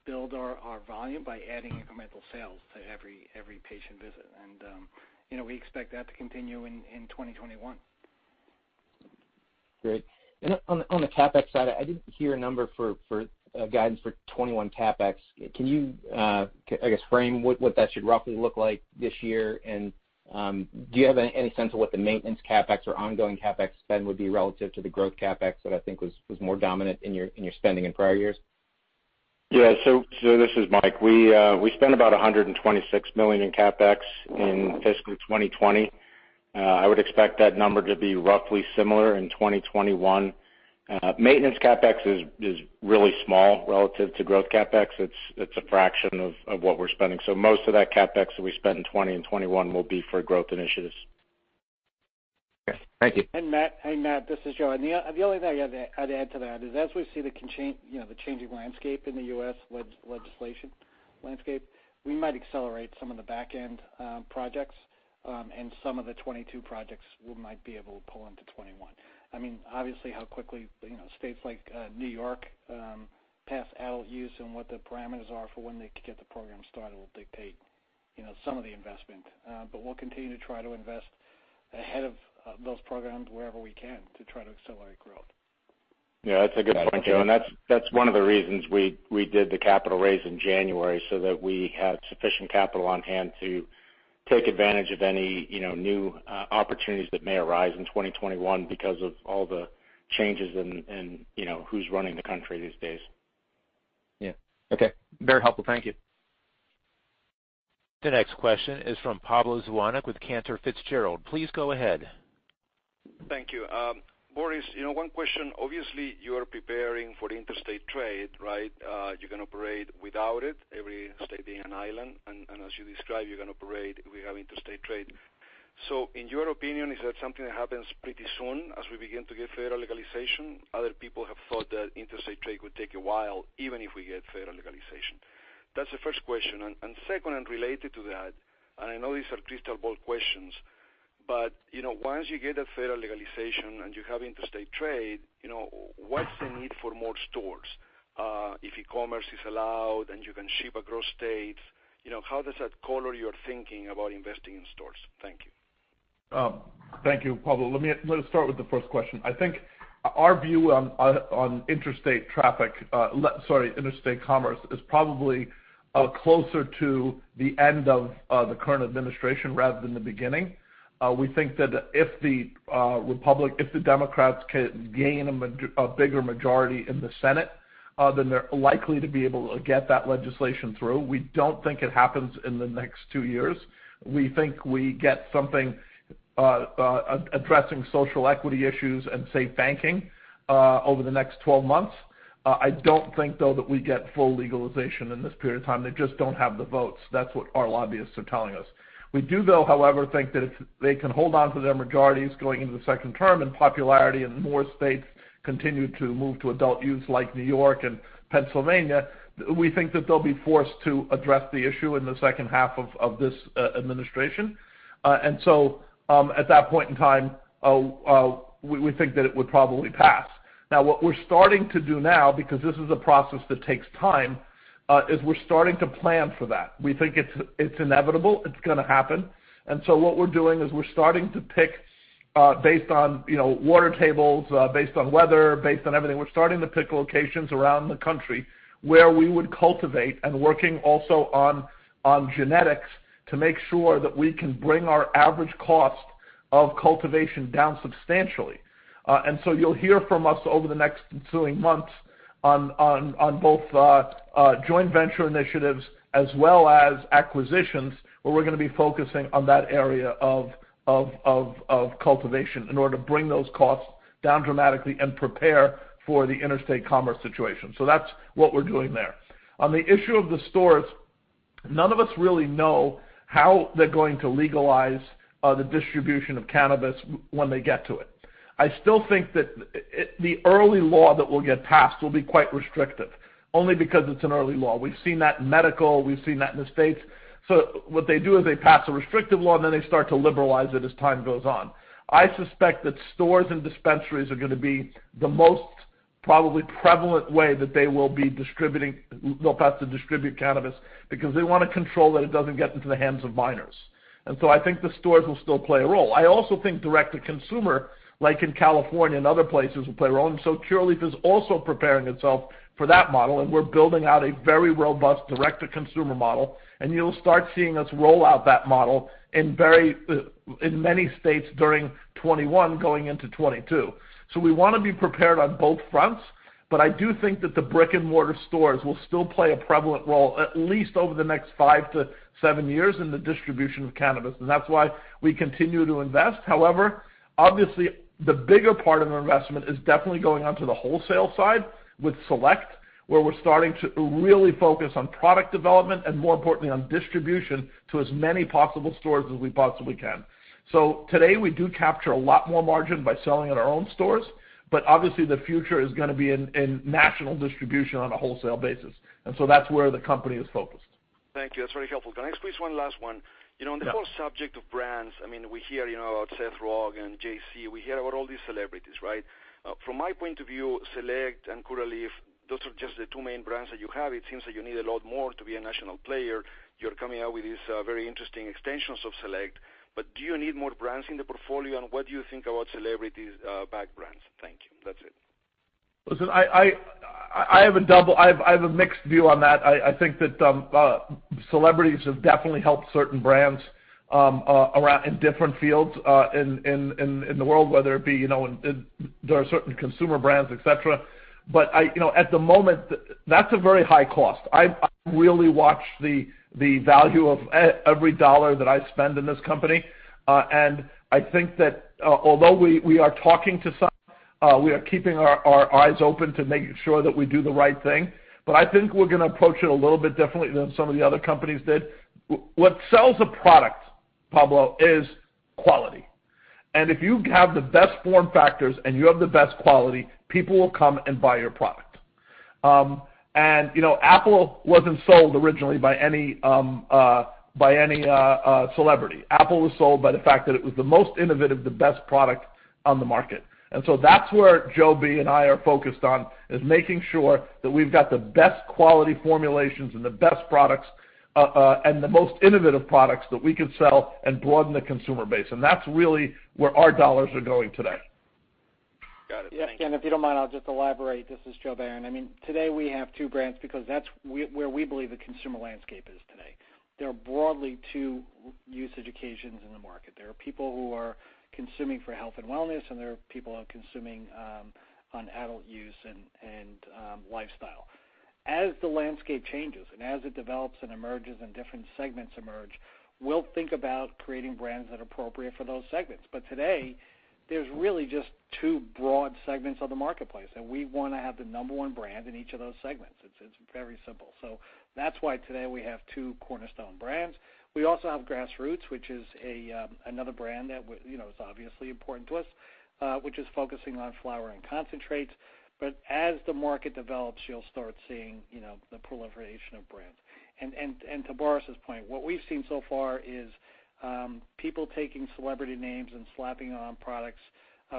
build our volume by adding incremental sales to every patient visit. And we expect that to continue in 2021. Great. On the CapEx side, I didn't hear a number for guidance for 2021 CapEx. Can you, I guess, frame what that should roughly look like this year? And do you have any sense of what the maintenance CapEx or ongoing CapEx spend would be relative to the growth CapEx that I think was more dominant in your spending in prior years? Yeah. So this is Mike. We spent about $126 million in CapEx in fiscal 2020. I would expect that number to be roughly similar in 2021. Maintenance CapEx is really small relative to growth CapEx. It's a fraction of what we're spending. So most of that CapEx that we spent in 2020 and 2021 will be for growth initiatives. Okay. Thank you. Matt. Hey, Matt. This is Joe. The only thing I'd add to that is, as we see the changing landscape in the U.S. legislation landscape, we might accelerate some of the back-end projects, and some of the 2022 projects we might be able to pull into 2021. I mean, obviously, how quickly states like New York pass adult-use and what the parameters are for when they could get the program started will dictate some of the investment. But we'll continue to try to invest ahead of those programs wherever we can to try to accelerate growth. Yeah. That's a good point, Joe. And that's one of the reasons we did the capital raise in January so that we had sufficient capital on hand to take advantage of any new opportunities that may arise in 2021 because of all the changes and who's running the country these days. Yeah. Okay. Very helpful. Thank you. The next question is from Pablo Zuanic with Cantor Fitzgerald. Please go ahead. Thank you. Boris, one question. Obviously, you are preparing for interstate trade, right? You can operate without it, every state being an island. And as you describe, you can operate if we have interstate trade. So in your opinion, is that something that happens pretty soon as we begin to get federal legalization? Other people have thought that interstate trade would take a while even if we get federal legalization. That's the first question. And second, and related to that, and I know these are crystal ball questions, but once you get that federal legalization and you have interstate trade, what's the need for more stores? If e-commerce is allowed and you can ship across states, how does that color your thinking about investing in stores? Thank you. Thank you, Pablo. Let me start with the first question. I think our view on interstate traffic, sorry, interstate commerce is probably closer to the end of the current administration rather than the beginning. We think that if the Democrats can gain a bigger majority in the Senate, then they're likely to be able to get that legislation through. We don't think it happens in the next two years. We think we get something addressing social equity issues and SAFE Banking over the next 12 months. I don't think, though, that we get full legalization in this period of time. They just don't have the votes. That's what our lobbyists are telling us. We do, though, however, think that if they can hold on to their majorities going into the second term and popularity in more states continue to move to adult use like New York and Pennsylvania, we think that they'll be forced to address the issue in the second half of this administration. And so at that point in time, we think that it would probably pass. Now, what we're starting to do now, because this is a process that takes time, is we're starting to plan for that. We think it's inevitable. It's going to happen. And so what we're doing is we're starting to pick, based on water tables, based on weather, based on everything, we're starting to pick locations around the country where we would cultivate and working also on genetics to make sure that we can bring our average cost of cultivation down substantially. And so you'll hear from us over the next ensuing months on both joint venture initiatives as well as acquisitions, where we're going to be focusing on that area of cultivation in order to bring those costs down dramatically and prepare for the interstate commerce situation. So that's what we're doing there. On the issue of the stores, none of us really know how they're going to legalize the distribution of cannabis when they get to it. I still think that the early law that will get passed will be quite restrictive, only because it's an early law. We've seen that in medical. We've seen that in the states. So what they do is they pass a restrictive law, and then they start to liberalize it as time goes on. I suspect that stores and dispensaries are going to be the most probably prevalent way that they will be distributing. They'll have to distribute cannabis because they want to control that it doesn't get into the hands of minors, so I think the stores will still play a role. I also think direct-to-consumer, like in California and other places, will play a role, so Curaleaf is also preparing itself for that model, and we're building out a very robust direct-to-consumer model, and you'll start seeing us roll out that model in many states during 2021 going into 2022, so we want to be prepared on both fronts, but I do think that the brick-and-mortar stores will still play a prevalent role, at least over the next five to seven years in the distribution of cannabis, and that's why we continue to invest. However, obviously, the bigger part of our investment is definitely going on to the wholesale side with Select, where we're starting to really focus on product development and, more importantly, on distribution to as many possible stores as we possibly can. So today, we do capture a lot more margin by selling at our own stores, but obviously, the future is going to be in national distribution on a wholesale basis. And so that's where the company is focused. Thank you. That's very helpful. Can I ask you one last one? On the whole subject of brands, I mean, we hear about Seth Rogen, Jay-Z. We hear about all these celebrities, right? From my point of view, Select and Curaleaf, those are just the two main brands that you have. It seems that you need a lot more to be a national player. You're coming out with these very interesting extensions of Select. But do you need more brands in the portfolio, and what do you think about celebrities' backed brands? Thank you. That's it. Listen, I have a mixed view on that. I think that celebrities have definitely helped certain brands in different fields in the world, whether it be there are certain consumer brands, etc. But at the moment, that's a very high cost. I really watch the value of every dollar that I spend in this company. And I think that although we are talking to some, we are keeping our eyes open to making sure that we do the right thing. But I think we're going to approach it a little bit differently than some of the other companies did. What sells a product, Pablo, is quality. And if you have the best form factors and you have the best quality, people will come and buy your product. And Apple wasn't sold originally by any celebrity. Apple was sold by the fact that it was the most innovative, the best product on the market. And so that's where Joe B and I are focused on, is making sure that we've got the best quality formulations and the best products and the most innovative products that we can sell and broaden the consumer base. And that's really where our dollars are going today. Got it. Thank you. If you don't mind, I'll just elaborate. This is Joe Bayern. I mean, today, we have two brands because that's where we believe the consumer landscape is today. There are broadly two use cases in the market. There are people who are consuming for health and wellness, and there are people consuming on adult-use and lifestyle. As the landscape changes and as it develops and emerges and different segments emerge, we'll think about creating brands that are appropriate for those segments. But today, there's really just two broad segments of the marketplace, and we want to have the number one brand in each of those segments. It's very simple. So that's why today we have two cornerstone brands. We also have Grassroots, which is another brand that is obviously important to us, which is focusing on flower and concentrates. As the market develops, you'll start seeing the proliferation of brands. To Boris's point, what we've seen so far is people taking celebrity names and slapping on products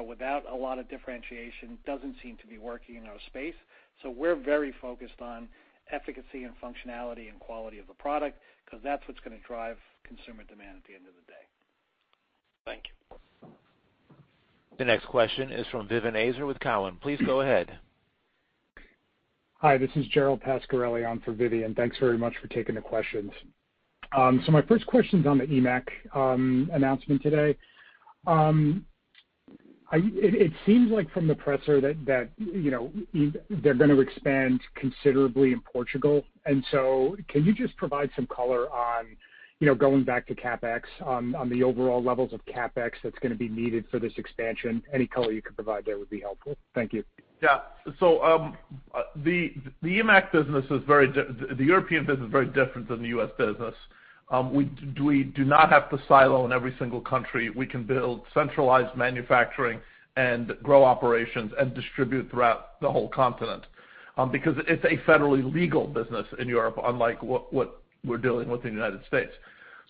without a lot of differentiation doesn't seem to be working in our space. We're very focused on efficacy and functionality and quality of the product because that's what's going to drive consumer demand at the end of the day. Thank you. The next question is from Vivien Azer with Cowen. Please go ahead. Hi. This is Gerald Pascarelli. I'm for Vivien, and thanks very much for taking the questions. So my first question is on the EMMAC announcement today. It seems like from the presser that they're going to expand considerably in Portugal. And so can you just provide some color on going back to CapEx, on the overall levels of CapEx that's going to be needed for this expansion? Any color you could provide there would be helpful. Thank you. Yeah. So the EMMAC business is very, the European business is very different than the U.S. business. We do not have to silo in every single country. We can build centralized manufacturing and grow operations and distribute throughout the whole continent because it's a federally legal business in Europe, unlike what we're dealing with in the United States.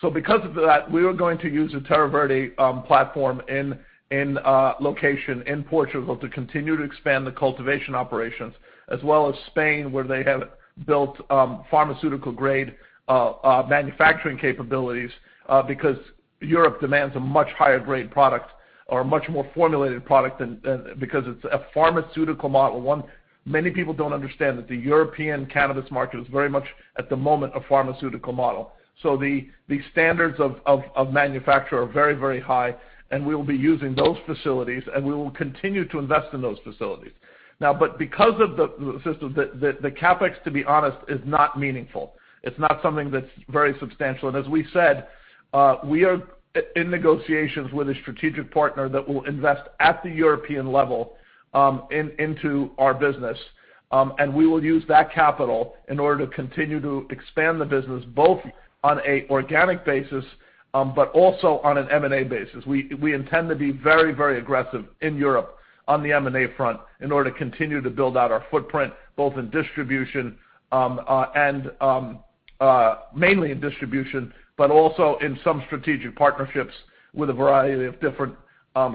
So because of that, we are going to use a Terra Verde platform in location in Portugal to continue to expand the cultivation operations, as well as Spain, where they have built pharmaceutical-grade manufacturing capabilities because Europe demands a much higher-grade product or a much more formulated product because it's a pharmaceutical model. Many people don't understand that the European cannabis market is very much, at the moment, a pharmaceutical model. So the standards of manufacture are very, very high, and we will be using those facilities, and we will continue to invest in those facilities. Now, but because of the system, the CapEx, to be honest, is not meaningful. It's not something that's very substantial. And as we said, we are in negotiations with a strategic partner that will invest at the European level into our business. And we will use that capital in order to continue to expand the business both on an organic basis but also on an M&A basis. We intend to be very, very aggressive in Europe on the M&A front in order to continue to build out our footprint, both in distribution and mainly in distribution, but also in some strategic partnerships with a variety of different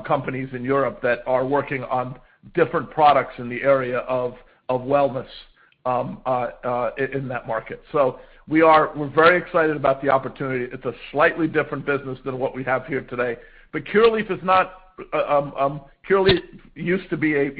companies in Europe that are working on different products in the area of wellness in that market. So we're very excited about the opportunity. It's a slightly different business than what we have here today. But Curaleaf is not. Curaleaf used to be a.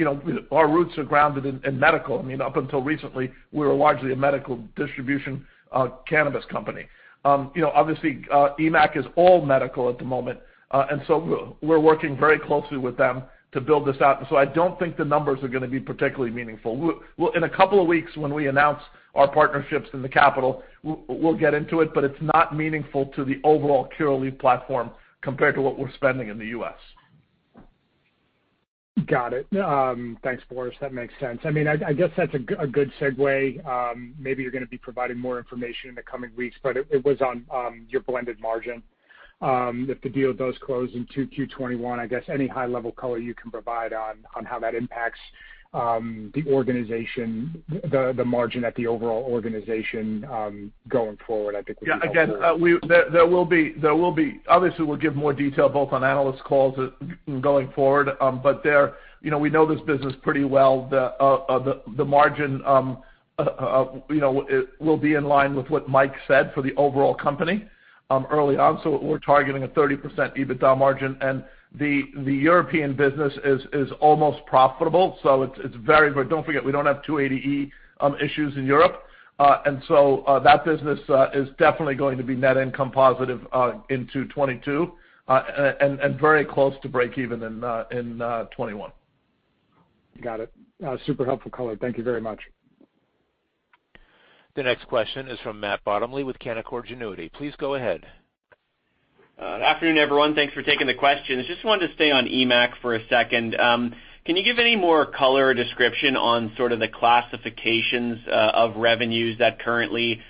Our roots are grounded in medical. I mean, up until recently, we were largely a medical distribution cannabis company. Obviously, EMMAC is all medical at the moment. And so we're working very closely with them to build this out. And so I don't think the numbers are going to be particularly meaningful. In a couple of weeks, when we announce our partnerships in the capital, we'll get into it, but it's not meaningful to the overall Curaleaf platform compared to what we're spending in the U.S. Got it. Thanks, Boris. That makes sense. I mean, I guess that's a good segue. Maybe you're going to be providing more information in the coming weeks, but it was on your blended margin. If the deal does close in 2Q 2021, I guess any high-level color you can provide on how that impacts the organization, the margin at the overall organization going forward, I think would be helpful. Yeah. Again, there will be, obviously, we'll give more detail both on analyst calls going forward. But we know this business pretty well. The margin will be in line with what Mike said for the overall company early on. So we're targeting a 30% EBITDA margin. And the European business is almost profitable. So it's very, don't forget, we don't have 280E issues in Europe. And so that business is definitely going to be net income positive in Q2 2022 and very close to break-even in 2021. Got it. Super helpful color. Thank you very much. The next question is from Matt Bottomley with Canaccord Genuity. Please go ahead. Good afternoon, everyone. Thanks for taking the question. I just wanted to stay on EMMAC for a second. Can you give any more color or description on sort of the classifications of revenues that currently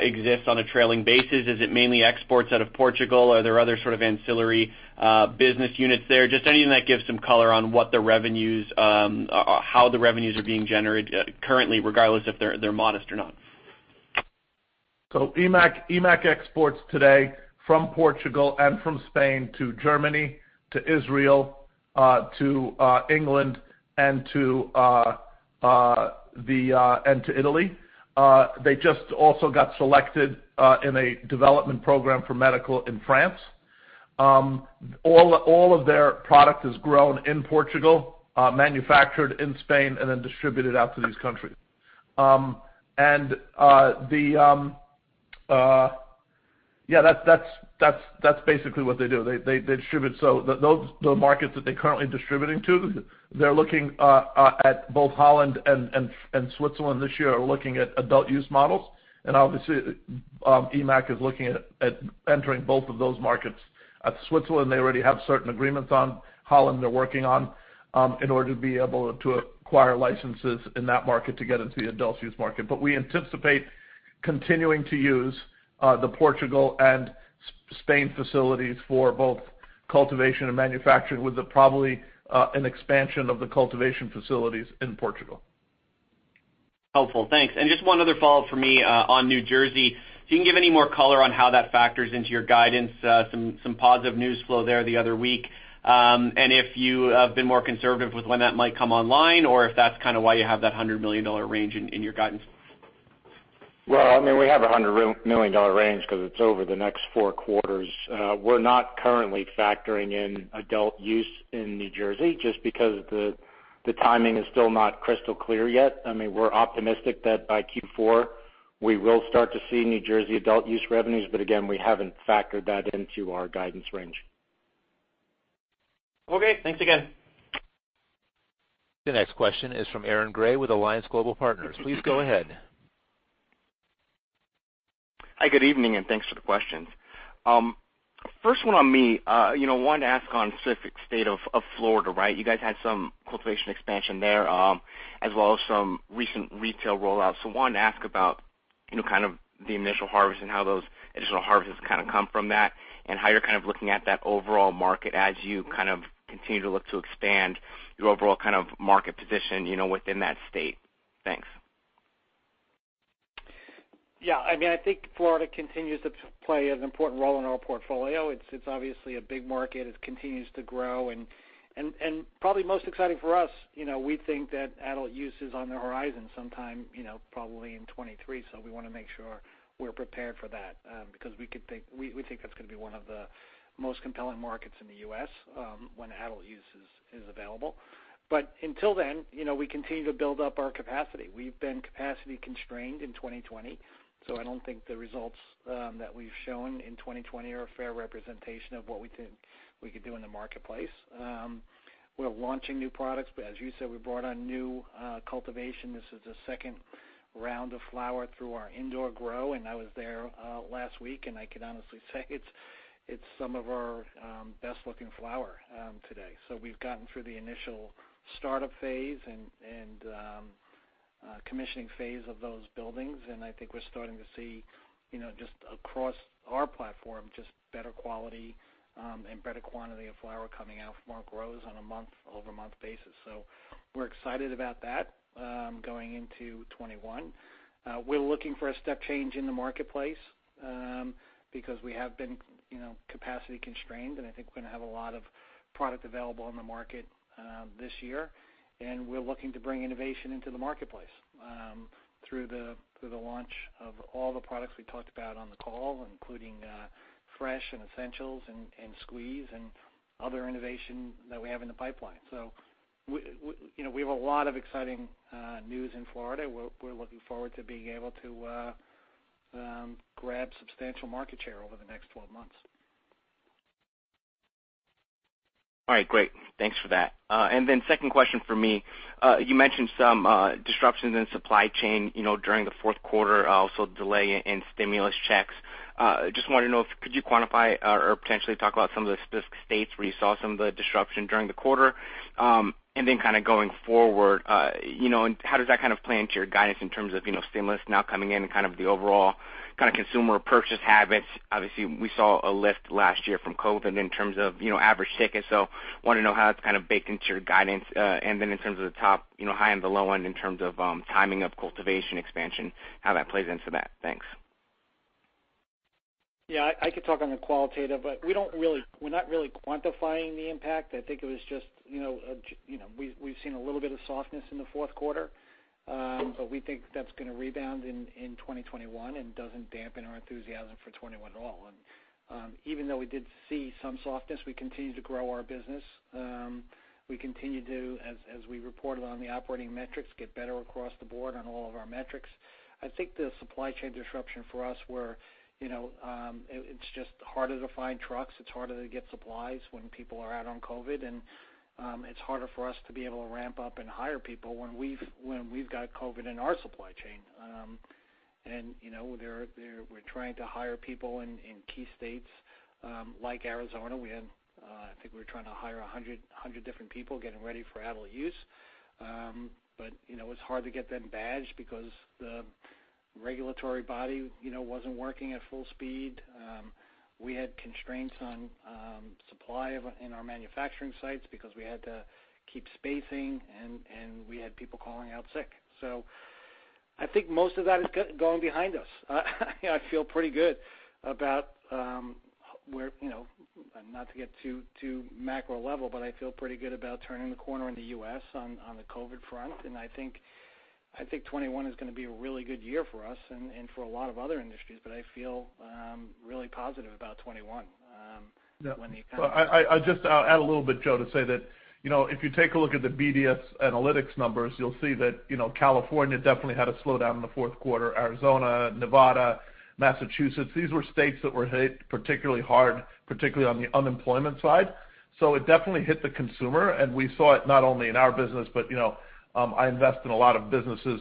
exist on a trailing basis? Is it mainly exports out of Portugal? Are there other sort of ancillary business units there? Just anything that gives some color on what the revenues, how the revenues are being generated currently, regardless if they're modest or not. EMMAC exports today from Portugal and from Spain to Germany to Israel to England and to Italy. They just also got selected in a development program for medical in France. All of their product is grown in Portugal, manufactured in Spain, and then distributed out to these countries. And yeah, that's basically what they do. They distribute. So the markets that they're currently distributing to, they're looking at both Holland and Switzerland this year are looking at adult-use models. And obviously, EMMAC is looking at entering both of those markets. Switzerland, they already have certain agreements on. Holland, they're working on in order to be able to acquire licenses in that market to get into the adult-use market. But we anticipate continuing to use the Portugal and Spain facilities for both cultivation and manufacturing with probably an expansion of the cultivation facilities in Portugal. Helpful. Thanks. And just one other follow-up for me on New Jersey. If you can give any more color on how that factors into your guidance, some positive news flow there the other week. And if you have been more conservative with when that might come online or if that's kind of why you have that $100 million range in your guidance. I mean, we have a $100 million range because it's over the next four quarters. We're not currently factoring in adult use in New Jersey just because the timing is still not crystal clear yet. I mean, we're optimistic that by Q4, we will start to see New Jersey adult use revenues. But again, we haven't factored that into our guidance range. Okay. Thanks again. The next question is from Aaron Gray with Alliance Global Partners. Please go ahead. Hi. Good evening, and thanks for the questions. First one on me, I wanted to ask on specific state of Florida, right? You guys had some cultivation expansion there as well as some recent retail rollouts. So I wanted to ask about kind of the initial harvest and how those initial harvests kind of come from that and how you're kind of looking at that overall market as you kind of continue to look to expand your overall kind of market position within that state. Thanks. Yeah. I mean, I think Florida continues to play an important role in our portfolio. It's obviously a big market. It continues to grow. And probably most exciting for us, we think that adult use is on the horizon sometime probably in 2023. So we want to make sure we're prepared for that because we think that's going to be one of the most compelling markets in the U.S. when adult use is available. But until then, we continue to build up our capacity. We've been capacity constrained in 2020. So I don't think the results that we've shown in 2020 are a fair representation of what we think we could do in the marketplace. We're launching new products. But as you said, we brought on new cultivation. This is the second round of flower through our indoor grow, and I was there last week, and I can honestly say it's some of our best-looking flower today. So we've gotten through the initial startup phase and commissioning phase of those buildings. And I think we're starting to see just across our platform, just better quality and better quantity of flower coming out from our grows on a month-over-month basis. So we're excited about that going into 2021. We're looking for a step change in the marketplace because we have been capacity constrained, and I think we're going to have a lot of product available on the market this year. And we're looking to bring innovation into the marketplace through the launch of all the products we talked about on the call, including Fresh and Essentials and Squeeze and other innovation that we have in the pipeline. So we have a lot of exciting news in Florida. We're looking forward to being able to grab substantial market share over the next 12 months. All right. Great. Thanks for that. And then second question for me, you mentioned some disruptions in supply chain during the fourth quarter, also delay in stimulus checks. Just wanted to know if you could quantify or potentially talk about some of the states where you saw some of the disruption during the quarter. And then kind of going forward, how does that kind of play into your guidance in terms of stimulus now coming in and kind of the overall kind of consumer purchase habits? Obviously, we saw a lift last year from COVID in terms of average tickets. So I want to know how it's kind of baked into your guidance. And then in terms of the top, high and the low end in terms of timing of cultivation expansion, how that plays into that. Thanks. Yeah. I could talk on the qualitative, but we're not really quantifying the impact. I think it was just we've seen a little bit of softness in the fourth quarter, but we think that's going to rebound in 2021 and doesn't dampen our enthusiasm for 2021 at all. And even though we did see some softness, we continue to grow our business. We continue to, as we reported on the operating metrics, get better across the board on all of our metrics. I think the supply chain disruption for us, where it's just harder to find trucks, it's harder to get supplies when people are out on COVID, and it's harder for us to be able to ramp up and hire people when we've got COVID in our supply chain. And we're trying to hire people in key states like Arizona. I think we were trying to hire 100 different people getting ready for adult use, but it's hard to get them badged because the regulatory body wasn't working at full speed. We had constraints on supply in our manufacturing sites because we had to keep spacing, and we had people calling out sick. So I think most of that is going behind us. I feel pretty good about where, not to get too macro level, but I feel pretty good about turning the corner in the U.S. on the COVID front, and I think 2021 is going to be a really good year for us and for a lot of other industries, but I feel really positive about 2021 when the economy— I'll add a little bit, Joe, to say that if you take a look at the BDSA numbers, you'll see that California definitely had a slowdown in the fourth quarter. Arizona, Nevada, Massachusetts, these were states that were hit particularly hard, particularly on the unemployment side. So it definitely hit the consumer, and we saw it not only in our business, but I invest in a lot of businesses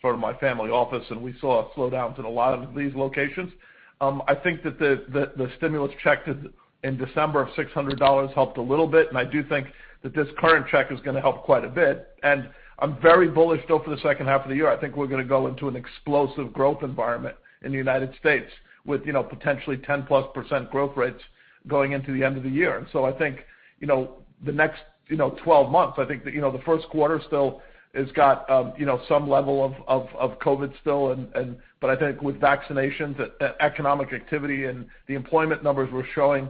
for my family office, and we saw a slowdown in a lot of these locations. I think that the stimulus check in December of $600 helped a little bit, and I do think that this current check is going to help quite a bit. And I'm very bullish though for the second half of the year. I think we're going to go into an explosive growth environment in the United States with potentially 10%+ growth rates going into the end of the year, and so I think the next 12 months. I think the first quarter still has got some level of COVID still, but I think with vaccinations, economic activity, and the employment numbers were showing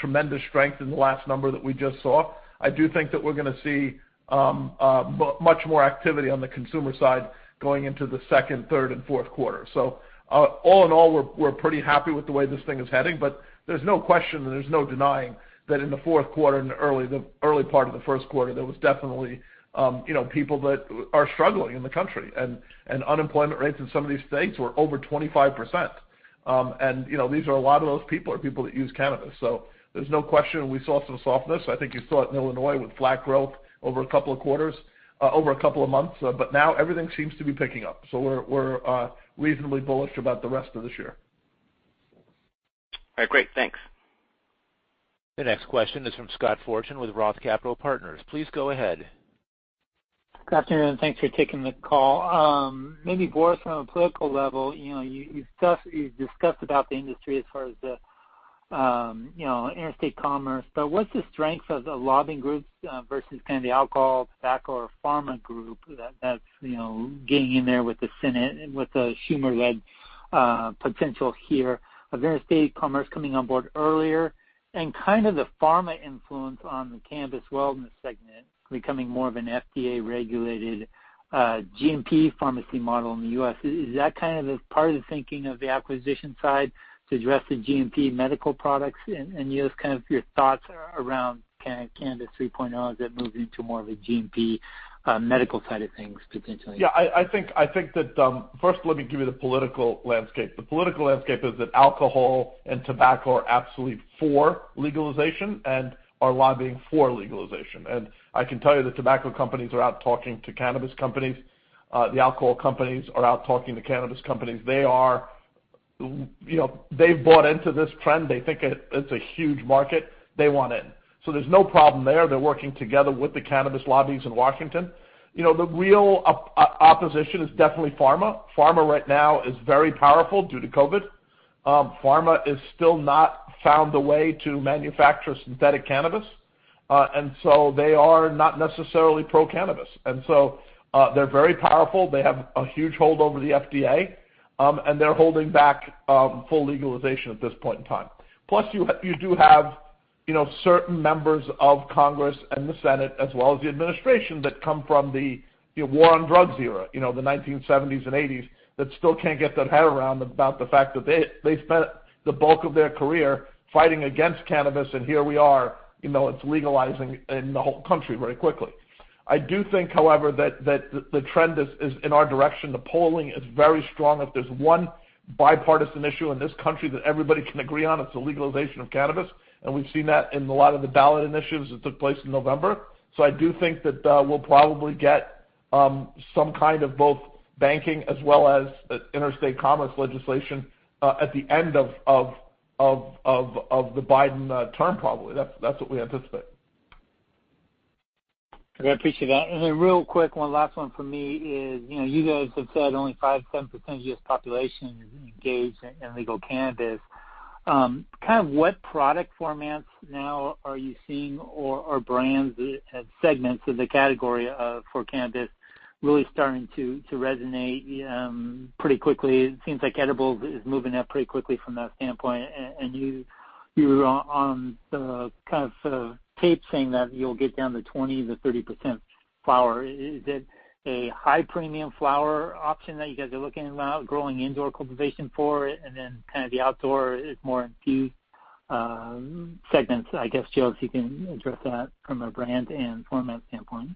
tremendous strength in the last number that we just saw. I do think that we're going to see much more activity on the consumer side going into the second, third, and fourth quarter, so all in all, we're pretty happy with the way this thing is heading, but there's no question and there's no denying that in the fourth quarter and early part of the first quarter, there was definitely people that are struggling in the country, and unemployment rates in some of these states were over 25%. And these are a lot of those people are people that use cannabis. So there's no question we saw some softness. I think you saw it in Illinois with flat growth over a couple of quarters, over a couple of months. But now everything seems to be picking up. So we're reasonably bullish about the rest of this year. All right. Great. Thanks. The next question is from Scott Fortune with ROTH Capital Partners. Please go ahead. Good afternoon. Thanks for taking the call. Maybe Boris from a political level, you discussed about the industry as far as the interstate commerce, but what's the strength of the lobbying groups versus kind of the alcohol, tobacco, or pharma group that's getting in there with the Senate with the Schumer-led potential here of interstate commerce coming on board earlier and kind of the pharma influence on the cannabis wellness segment, becoming more of an FDA-regulated GMP pharmacy model in the U.S. Is that kind of part of the thinking of the acquisition side to address the GMP medical products? And just kind of your thoughts around Cannabis 3.0 as it moves into more of a GMP medical side of things potentially. Yeah. I think that first, let me give you the political landscape. The political landscape is that alcohol and tobacco are absolutely for legalization and are lobbying for legalization. And I can tell you the tobacco companies are out talking to cannabis companies. The alcohol companies are out talking to cannabis companies. They've bought into this trend. They think it's a huge market. They want in. So there's no problem there. They're working together with the cannabis lobbies in Washington. The real opposition is definitely pharma. Pharma right now is very powerful due to COVID. Pharma has still not found a way to manufacture synthetic cannabis. And so they are not necessarily pro-cannabis. And so they're very powerful. They have a huge hold over the FDA, and they're holding back full legalization at this point in time. Plus, you do have certain members of Congress and the Senate as well as the administration that come from the war on drugs era, the 1970s and '80s, that still can't get their head around about the fact that they spent the bulk of their career fighting against cannabis, and here we are, it's legalizing in the whole country very quickly. I do think, however, that the trend is in our direction. The polling is very strong. If there's one bipartisan issue in this country that everybody can agree on, it's the legalization of cannabis. And we've seen that in a lot of the ballot initiatives that took place in November. So I do think that we'll probably get some kind of both banking as well as interstate commerce legislation at the end of the Biden term probably. That's what we anticipate. I appreciate that, and then real quick, one last one for me is you guys have said only 5%-10% of U.S. population is engaged in legal cannabis. Kind of what product formats now are you seeing or brands and segments of the category for cannabis really starting to resonate pretty quickly? It seems like edibles is moving up pretty quickly from that standpoint, and you were on the kind of tape saying that you'll get down to 20%-30% flower. Is it a high-premium flower option that you guys are looking at growing indoor cultivation for, and then kind of the outdoor is more infused segments? I guess, Joe, if you can address that from a brand and format standpoint.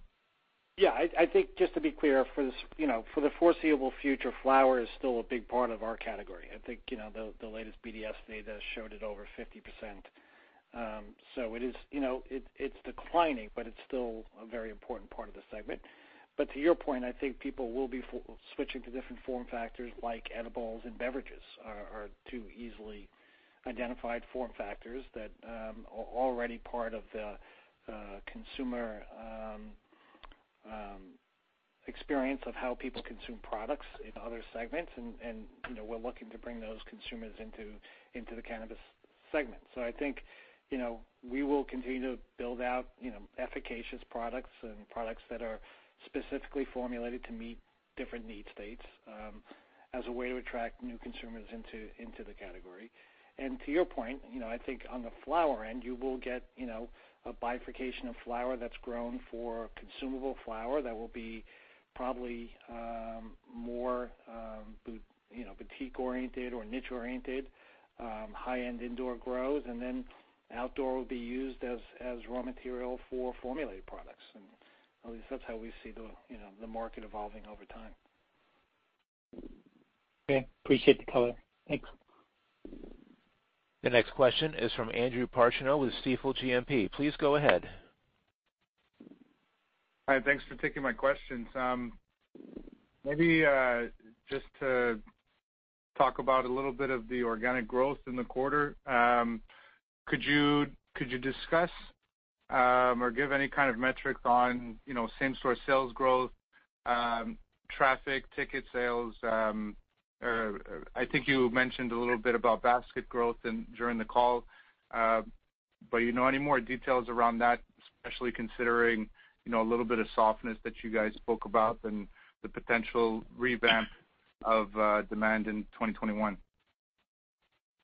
Yeah. I think just to be clear, for the foreseeable future, flower is still a big part of our category. I think the latest BDS data showed it over 50%. So it's declining, but it's still a very important part of the segment. But to your point, I think people will be switching to different form factors like edibles and beverages, are two easily identified form factors that are already part of the consumer experience of how people consume products in other segments. And we're looking to bring those consumers into the cannabis segment. So I think we will continue to build out efficacious products and products that are specifically formulated to meet different need states as a way to attract new consumers into the category. And to your point, I think on the flower end, you will get a bifurcation of flower that's grown for consumable flower that will be probably more boutique-oriented or niche-oriented, high-end indoor grows, and then outdoor will be used as raw material for formulated products. And at least that's how we see the market evolving over time. Okay. Appreciate the color. Thanks. The next question is from Andrew Partheniou with Stifel GMP. Please go ahead. Hi. Thanks for taking my questions. Maybe just to talk about a little bit of the organic growth in the quarter, could you discuss or give any kind of metrics on same-store sales growth, traffic, ticket sales? I think you mentioned a little bit about basket growth during the call, but any more details around that, especially considering a little bit of softness that you guys spoke about and the potential revamp of demand in 2021?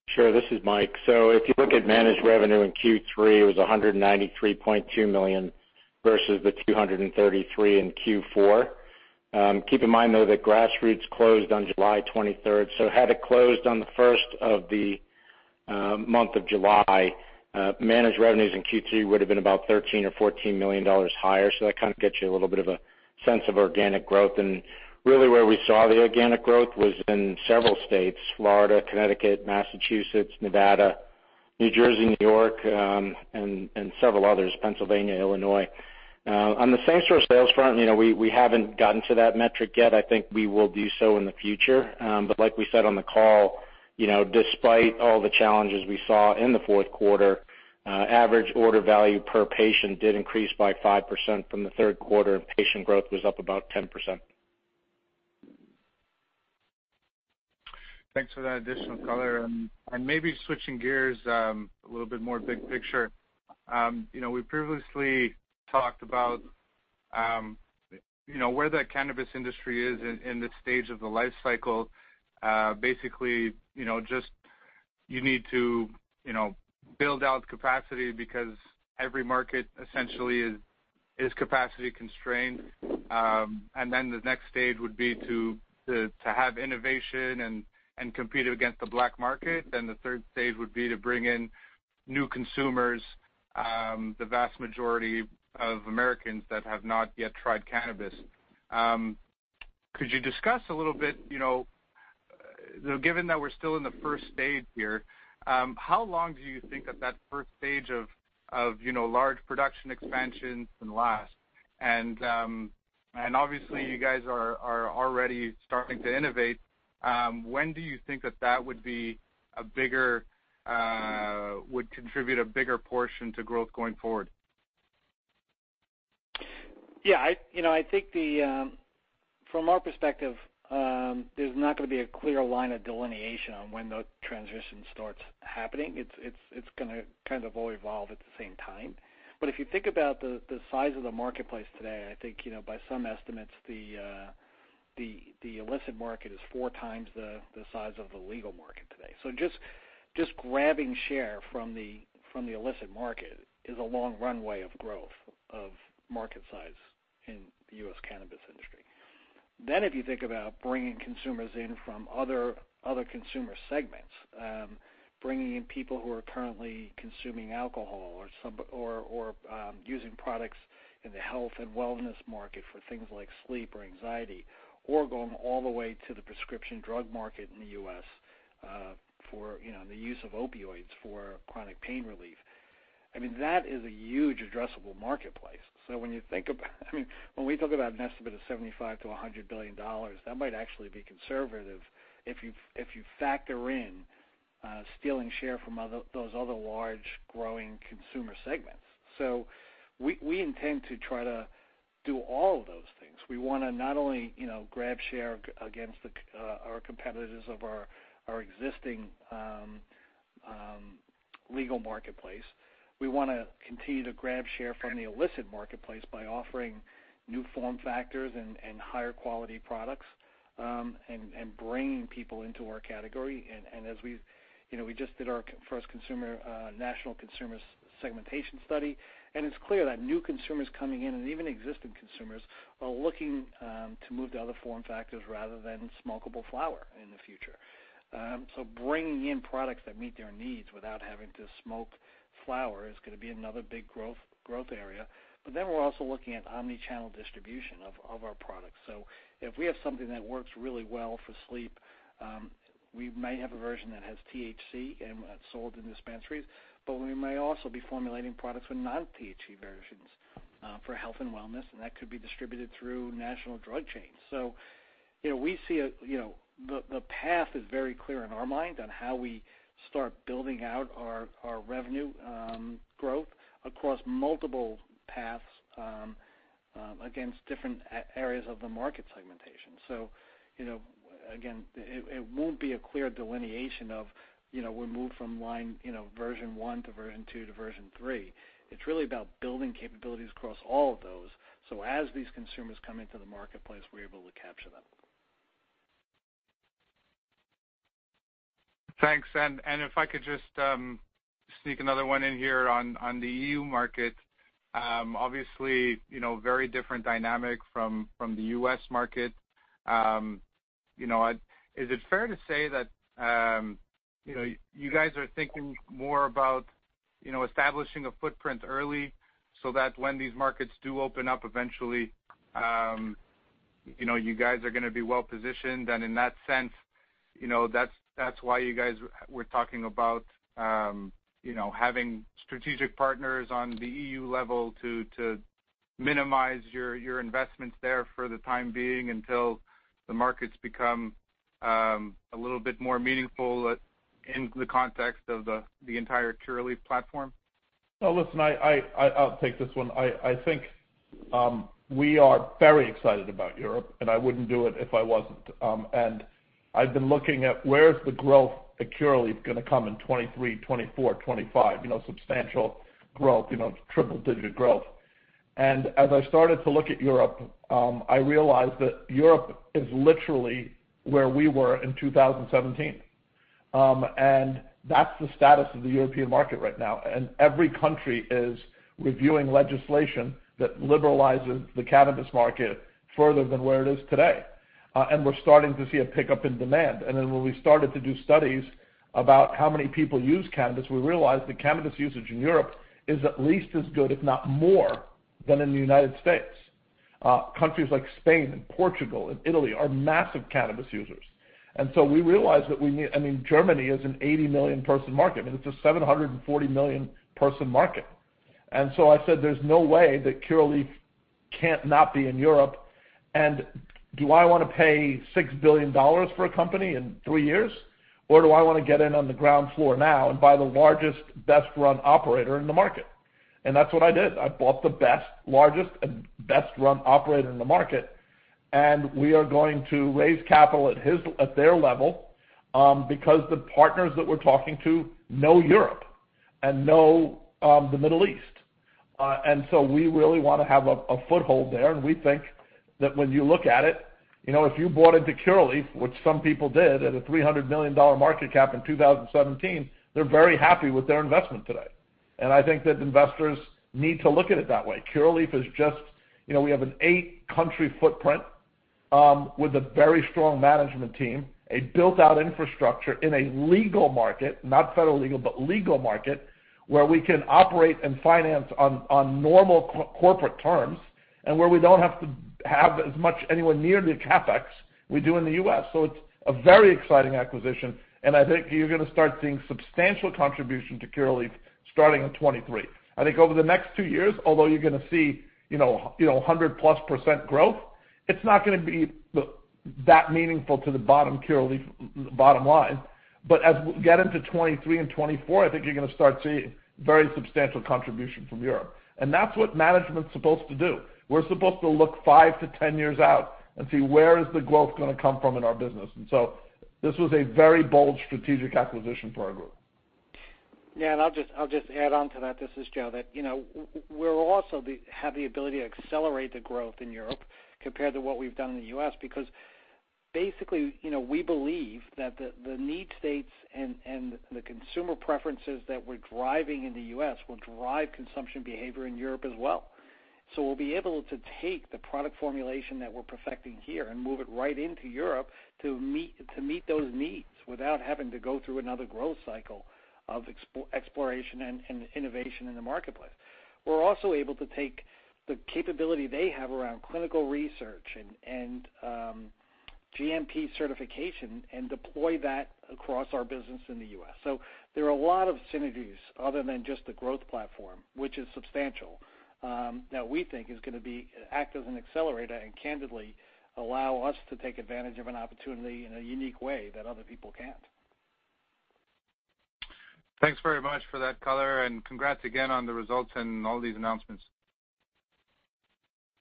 Sure. This is Mike. So if you look at Managed Revenue in Q3, it was $193.2 million versus the $233 million in Q4. Keep in mind, though, that Grassroots closed on July 23rd. So had it closed on the 1st of the month of July, Managed revenues in Q3 would have been about $13 million or $14 million higher. So that kind of gets you a little bit of a sense of organic growth, and really where we saw the organic growth was in several states: Florida, Connecticut, Massachusetts, Nevada, New Jersey, New York, and several others: Pennsylvania, Illinois. On the same-store sales front, we haven't gotten to that metric yet. I think we will do so in the future. But like we said on the call, despite all the challenges we saw in the fourth quarter, average order value per patient did increase by 5% from the third quarter, and patient growth was up about 10%. Thanks for that additional color. And maybe switching gears a little bit more big picture, we previously talked about where the cannabis industry is in this stage of the life cycle. Basically, just you need to build out capacity because every market essentially is capacity constrained. And then the next stage would be to have innovation and compete against the black market. And the third stage would be to bring in new consumers, the vast majority of Americans that have not yet tried cannabis. Could you discuss a little bit, given that we're still in the first stage here, how long do you think that first stage of large production expansion can last? And obviously, you guys are already starting to innovate. When do you think that would be a bigger would contribute a bigger portion to growth going forward? Yeah. I think from our perspective, there's not going to be a clear line of delineation on when the transition starts happening. It's going to kind of all evolve at the same time. But if you think about the size of the marketplace today, I think by some estimates, the illicit market is four times the size of the legal market today. So just grabbing share from the illicit market is a long runway of growth of market size in the U.S. cannabis industry. Then if you think about bringing consumers in from other consumer segments, bringing in people who are currently consuming alcohol or using products in the health and wellness market for things like sleep or anxiety, or going all the way to the prescription drug market in the U.S. for the use of opioids for chronic pain relief, I mean, that is a huge addressable marketplace. So when you think about, I mean, when we talk about an estimate of $75 billion-$100 billion, that might actually be conservative if you factor in stealing share from those other large growing consumer segments. We intend to try to do all of those things. We want to not only grab share against our competitors of our existing legal marketplace. We want to continue to grab share from the illicit marketplace by offering new form factors and higher quality products and bringing people into our category. And as we just did our first national consumer segmentation study, and it's clear that new consumers coming in and even existing consumers are looking to move to other form factors rather than smokable flower in the future. So bringing in products that meet their needs without having to smoke flower is going to be another big growth area. But then we're also looking at omnichannel distribution of our products. So if we have something that works really well for sleep, we may have a version that has THC and sold in dispensaries, but we may also be formulating products with non-THC versions for health and wellness, and that could be distributed through national drug chains. So we see the path is very clear in our mind on how we start building out our revenue growth across multiple paths against different areas of the market segmentation. So again, it won't be a clear delineation of we move from line version one to version two to version three. It's really about building capabilities across all of those. So as these consumers come into the marketplace, we're able to capture them. Thanks. And if I could just sneak another one in here on the EU market, obviously, very different dynamic from the U.S. market. Is it fair to say that you guys are thinking more about establishing a footprint early so that when these markets do open up eventually, you guys are going to be well positioned? And in that sense, that's why you guys were talking about having strategic partners on the EU level to minimize your investments there for the time being until the markets become a little bit more meaningful in the context of the entire Curaleaf platform? Listen, I'll take this one. I think we are very excited about Europe, and I wouldn't do it if I wasn't. I've been looking at where's the growth at Curaleaf going to come in 2023, 2024, 2025, substantial growth, triple-digit growth. As I started to look at Europe, I realized that Europe is literally where we were in 2017. That's the status of the European market right now. Every country is reviewing legislation that liberalizes the cannabis market further than where it is today. We're starting to see a pickup in demand. Then when we started to do studies about how many people use cannabis, we realized that cannabis usage in Europe is at least as good, if not more, than in the United States. Countries like Spain and Portugal and Italy are massive cannabis users. And so we realized that we need. I mean, Germany is an 80 million person market. I mean, it's a 740 million person market. And so I said, "There's no way that Curaleaf can't not be in Europe. And do I want to pay $6 billion for a company in three years, or do I want to get in on the ground floor now and buy the largest, best-run operator in the market?" And that's what I did. I bought the best, largest, and best-run operator in the market. And we are going to raise capital at their level because the partners that we're talking to know Europe and know the Middle East. And so we really want to have a foothold there. We think that when you look at it, if you bought into Curaleaf, which some people did at a $300 million market cap in 2017, they're very happy with their investment today. I think that investors need to look at it that way. Curaleaf is just we have an eight-country footprint with a very strong management team, a built-out infrastructure in a legal market, not federal legal, but legal market, where we can operate and finance on normal corporate terms and where we don't have to have as much anywhere near the CapEx we do in the U.S. It's a very exciting acquisition. I think you're going to start seeing substantial contribution to Curaleaf starting in 2023. I think over the next two years, although you're going to see 100%+ growth, it's not going to be that meaningful to the bottom line. But as we get into 2023 and 2024, I think you're going to start seeing very substantial contribution from Europe. And that's what management's supposed to do. We're supposed to look five to 10 years out and see where is the growth going to come from in our business. And so this was a very bold strategic acquisition for our group. Yeah. And I'll just add on to that. This is Joe. We also have the ability to accelerate the growth in Europe compared to what we've done in the U.S. because basically, we believe that the new states and the consumer preferences that we're driving in the U.S. will drive consumption behavior in Europe as well. So we'll be able to take the product formulation that we're perfecting here and move it right into Europe to meet those needs without having to go through another growth cycle of exploration and innovation in the marketplace. We're also able to take the capability they have around clinical research and GMP certification and deploy that across our business in the U.S. There are a lot of synergies other than just the growth platform, which is substantial, that we think is going to act as an accelerator and candidly allow us to take advantage of an opportunity in a unique way that other people can't. Thanks very much for that color, and congrats again on the results and all these announcements.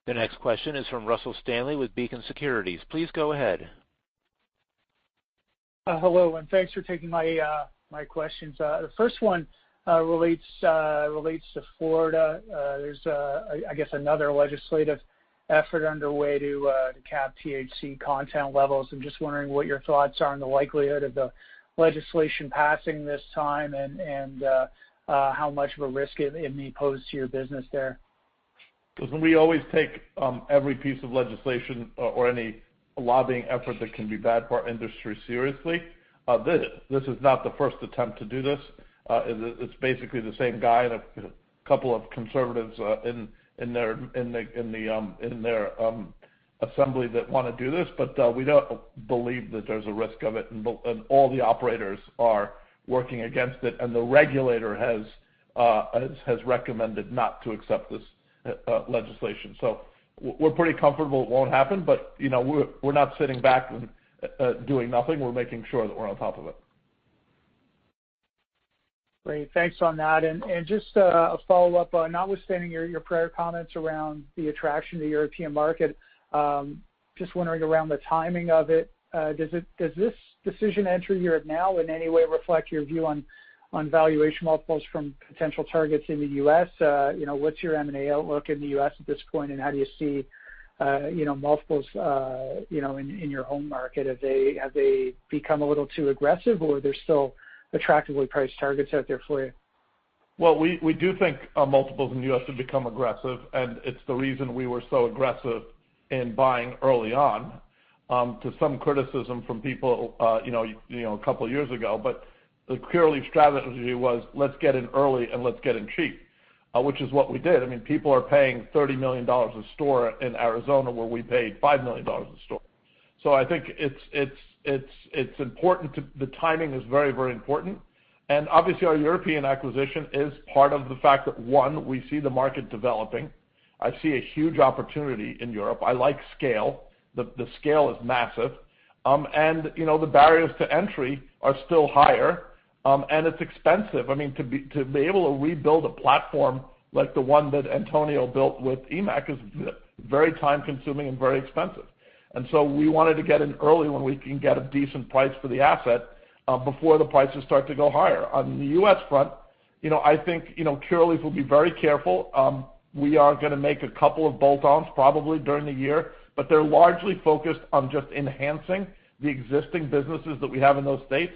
The next question is from Russell Stanley with Beacon Securities. Please go ahead. Hello and thanks for taking my questions. The first one relates to Florida. There's, I guess, another legislative effort underway to cap THC content levels. I'm just wondering what your thoughts are on the likelihood of the legislation passing this time and how much of a risk it may pose to your business there. We always take every piece of legislation or any lobbying effort that can be bad for our industry seriously. This is not the first attempt to do this. It's basically the same guy and a couple of conservatives in their assembly that want to do this, but we don't believe that there's a risk of it, and all the operators are working against it, and the regulator has recommended not to accept this legislation, so we're pretty comfortable it won't happen, but we're not sitting back and doing nothing. We're making sure that we're on top of it. Great. Thanks on that. And just a follow-up, notwithstanding your prior comments around the attraction to the European market, just wondering around the timing of it. Does this decision to enter Europe now in any way reflect your view on valuation multiples from potential targets in the U.S.? What's your M&A outlook in the U.S. at this point? And how do you see multiples in your home market? Have they become a little too aggressive, or are there still attractively priced targets out there for you? Well, we do think multiples in the U.S. have become aggressive. And it's the reason we were so aggressive in buying early on to some criticism from people a couple of years ago. But the Curaleaf strategy was, "Let's get in early and let's get in cheap," which is what we did. I mean, people are paying $30 million a store in Arizona where we paid $5 million a store. So I think it's important, too. The timing is very, very important. And obviously, our European acquisition is part of the fact that, one, we see the market developing. I see a huge opportunity in Europe. I like scale. The scale is massive. And the barriers to entry are still higher. And it's expensive. I mean, to be able to rebuild a platform like the one that Antonio built with EMMAC is very time-consuming and very expensive. And so we wanted to get in early when we can get a decent price for the asset before the prices start to go higher. On the U.S. front, I think Curaleaf will be very careful. We are going to make a couple of bolt-ons probably during the year, but they're largely focused on just enhancing the existing businesses that we have in those states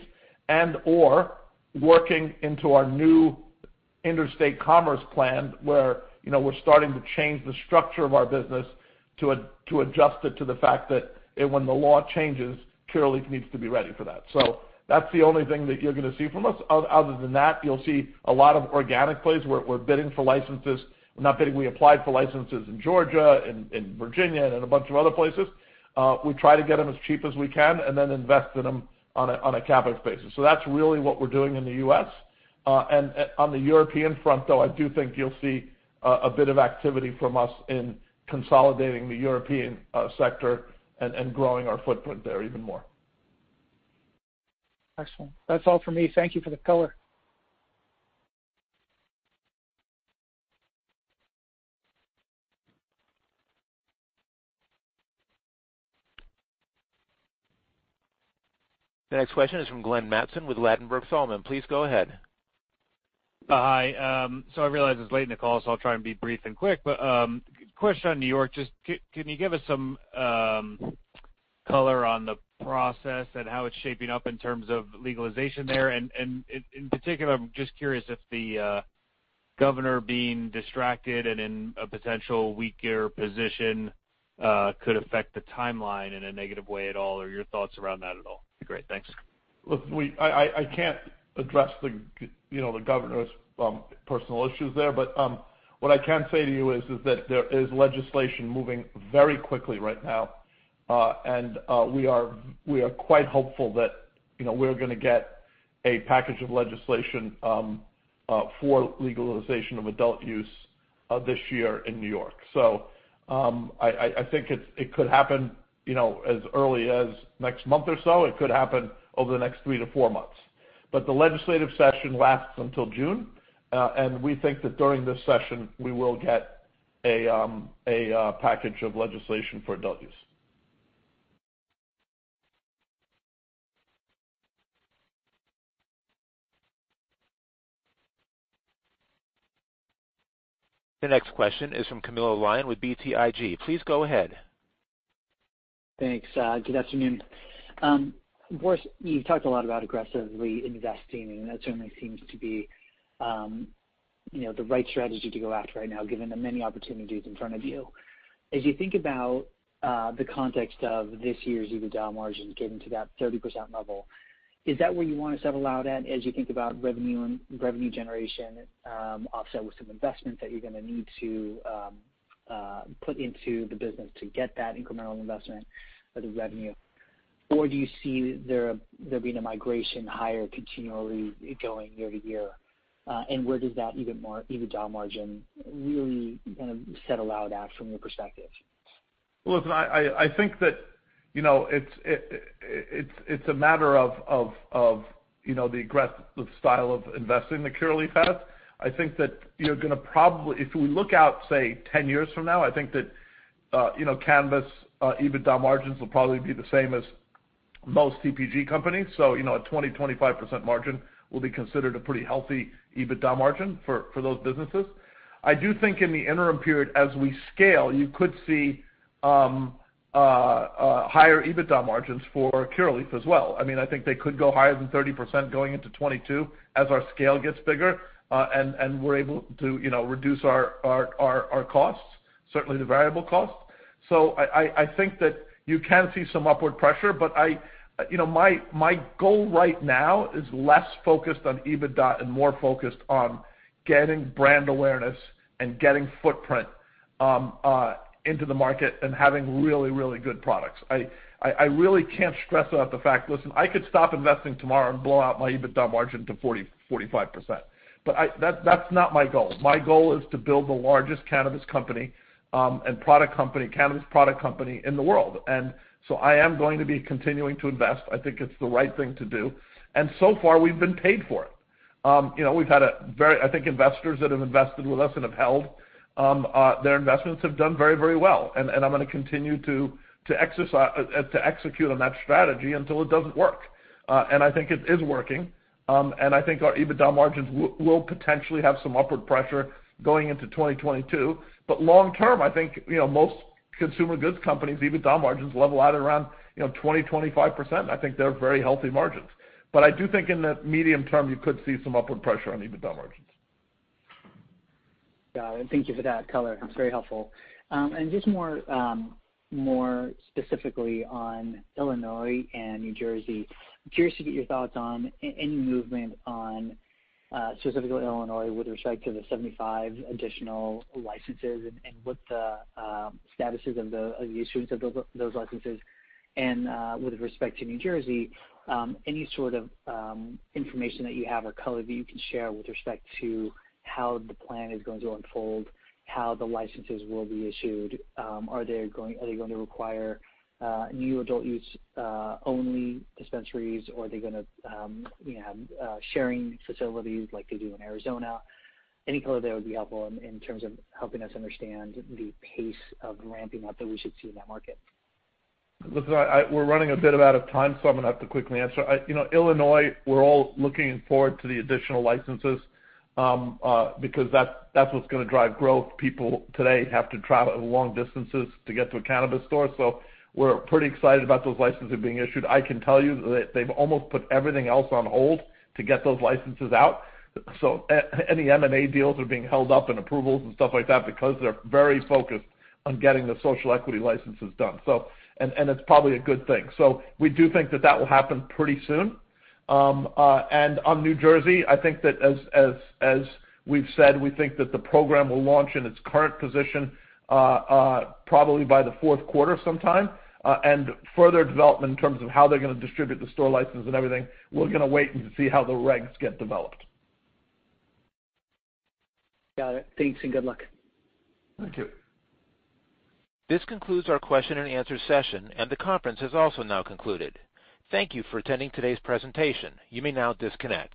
and/or working into our new interstate commerce plan where we're starting to change the structure of our business to adjust it to the fact that when the law changes, Curaleaf needs to be ready for that. So that's the only thing that you're going to see from us. Other than that, you'll see a lot of organic plays where we're bidding for licenses. We're not bidding. We applied for licenses in Georgia and Virginia and a bunch of other places. We try to get them as cheap as we can and then invest in them on a CapEx basis. So that's really what we're doing in the U.S. And on the European front, though, I do think you'll see a bit of activity from us in consolidating the European sector and growing our footprint there even more. Excellent. That's all for me. Thank you for the color. The next question is from Glenn Mattson with Ladenburg Thalmann. Please go ahead. Hi. So I realize it's late in the call, so I'll try and be brief and quick. But question on New York, just can you give us some color on the process and how it's shaping up in terms of legalization there? And in particular, I'm just curious if the governor being distracted and in a potential weaker position could affect the timeline in a negative way at all or your thoughts around that at all? Great. Thanks. Look, I can't address the governor's personal issues there. But what I can say to you is that there is legislation moving very quickly right now. And we are quite hopeful that we're going to get a package of legislation for legalization of adult use this year in New York. So I think it could happen as early as next month or so. It could happen over the next three to four months. But the legislative session lasts until June. And we think that during this session, we will get a package of legislation for adult use. The next question is from Camilo Lyon with BTIG. Please go ahead. Thanks. Good afternoon. You've talked a lot about aggressively investing, and that certainly seems to be the right strategy to go after right now given the many opportunities in front of you. As you think about the context of this year's EBITDA margin getting to that 30% level, is that where you want to settle out at as you think about revenue generation offset with some investments that you're going to need to put into the business to get that incremental investment of the revenue? Or do you see there being a migration higher continually going year to year, and where does that EBITDA margin really kind of settle out at from your perspective? I think that it's a matter of the aggressive style of investing that Curaleaf has. I think that you're going to probably if we look out, say, 10 years from now, I think that cannabis EBITDA margins will probably be the same as most CPG companies. So a 20%-25% margin will be considered a pretty healthy EBITDA margin for those businesses. I do think in the interim period, as we scale, you could see higher EBITDA margins for Curaleaf as well. I mean, I think they could go higher than 30% going into 2022 as our scale gets bigger and we're able to reduce our costs, certainly the variable costs. So I think that you can see some upward pressure. But my goal right now is less focused on EBITDA and more focused on getting brand awareness and getting footprint into the market and having really, really good products. I really can't stress out the fact, "Listen, I could stop investing tomorrow and blow out my EBITDA margin to 40%-45%." But that's not my goal. My goal is to build the largest cannabis company and product company, cannabis product company in the world. And so I am going to be continuing to invest. I think it's the right thing to do. And so far, we've been paid for it. We've had a very I think investors that have invested with us and have held their investments have done very, very well. And I'm going to continue to execute on that strategy until it doesn't work. And I think it is working. I think our EBITDA margins will potentially have some upward pressure going into 2022. Long term, I think most consumer goods companies' EBITDA margins level out at around 20%-25%. I think they're very healthy margins. I do think in the medium term, you could see some upward pressure on EBITDA margins. Got it. Thank you for that color. It's very helpful, and just more specifically on Illinois and New Jersey, curious to get your thoughts on any movement on specifically Illinois with respect to the 75 additional licenses and what the statuses of the issuance of those licenses, and with respect to New Jersey, any sort of information that you have or color that you can share with respect to how the plan is going to unfold, how the licenses will be issued? Are they going to require new adult-use-only dispensaries, or are they going to have sharing facilities like they do in Arizona? Any color there would be helpful in terms of helping us understand the pace of ramping up that we should see in that market. Look, we're running a bit out of time, so I'm going to have to quickly answer. Illinois, we're all looking forward to the additional licenses because that's what's going to drive growth. People today have to travel long distances to get to a cannabis store. So we're pretty excited about those licenses being issued. I can tell you that they've almost put everything else on hold to get those licenses out. So any M&A deals are being held up and approvals and stuff like that because they're very focused on getting the social equity licenses done. And it's probably a good thing. So we do think that that will happen pretty soon. And on New Jersey, I think that as we've said, we think that the program will launch in its current position probably by the fourth quarter sometime. Further development in terms of how they're going to distribute the store licenses and everything, we're going to wait and see how the regs get developed. Got it. Thanks and good luck. Thank you. This concludes our question and answer session, and the conference has also now concluded. Thank you for attending today's presentation. You may now disconnect.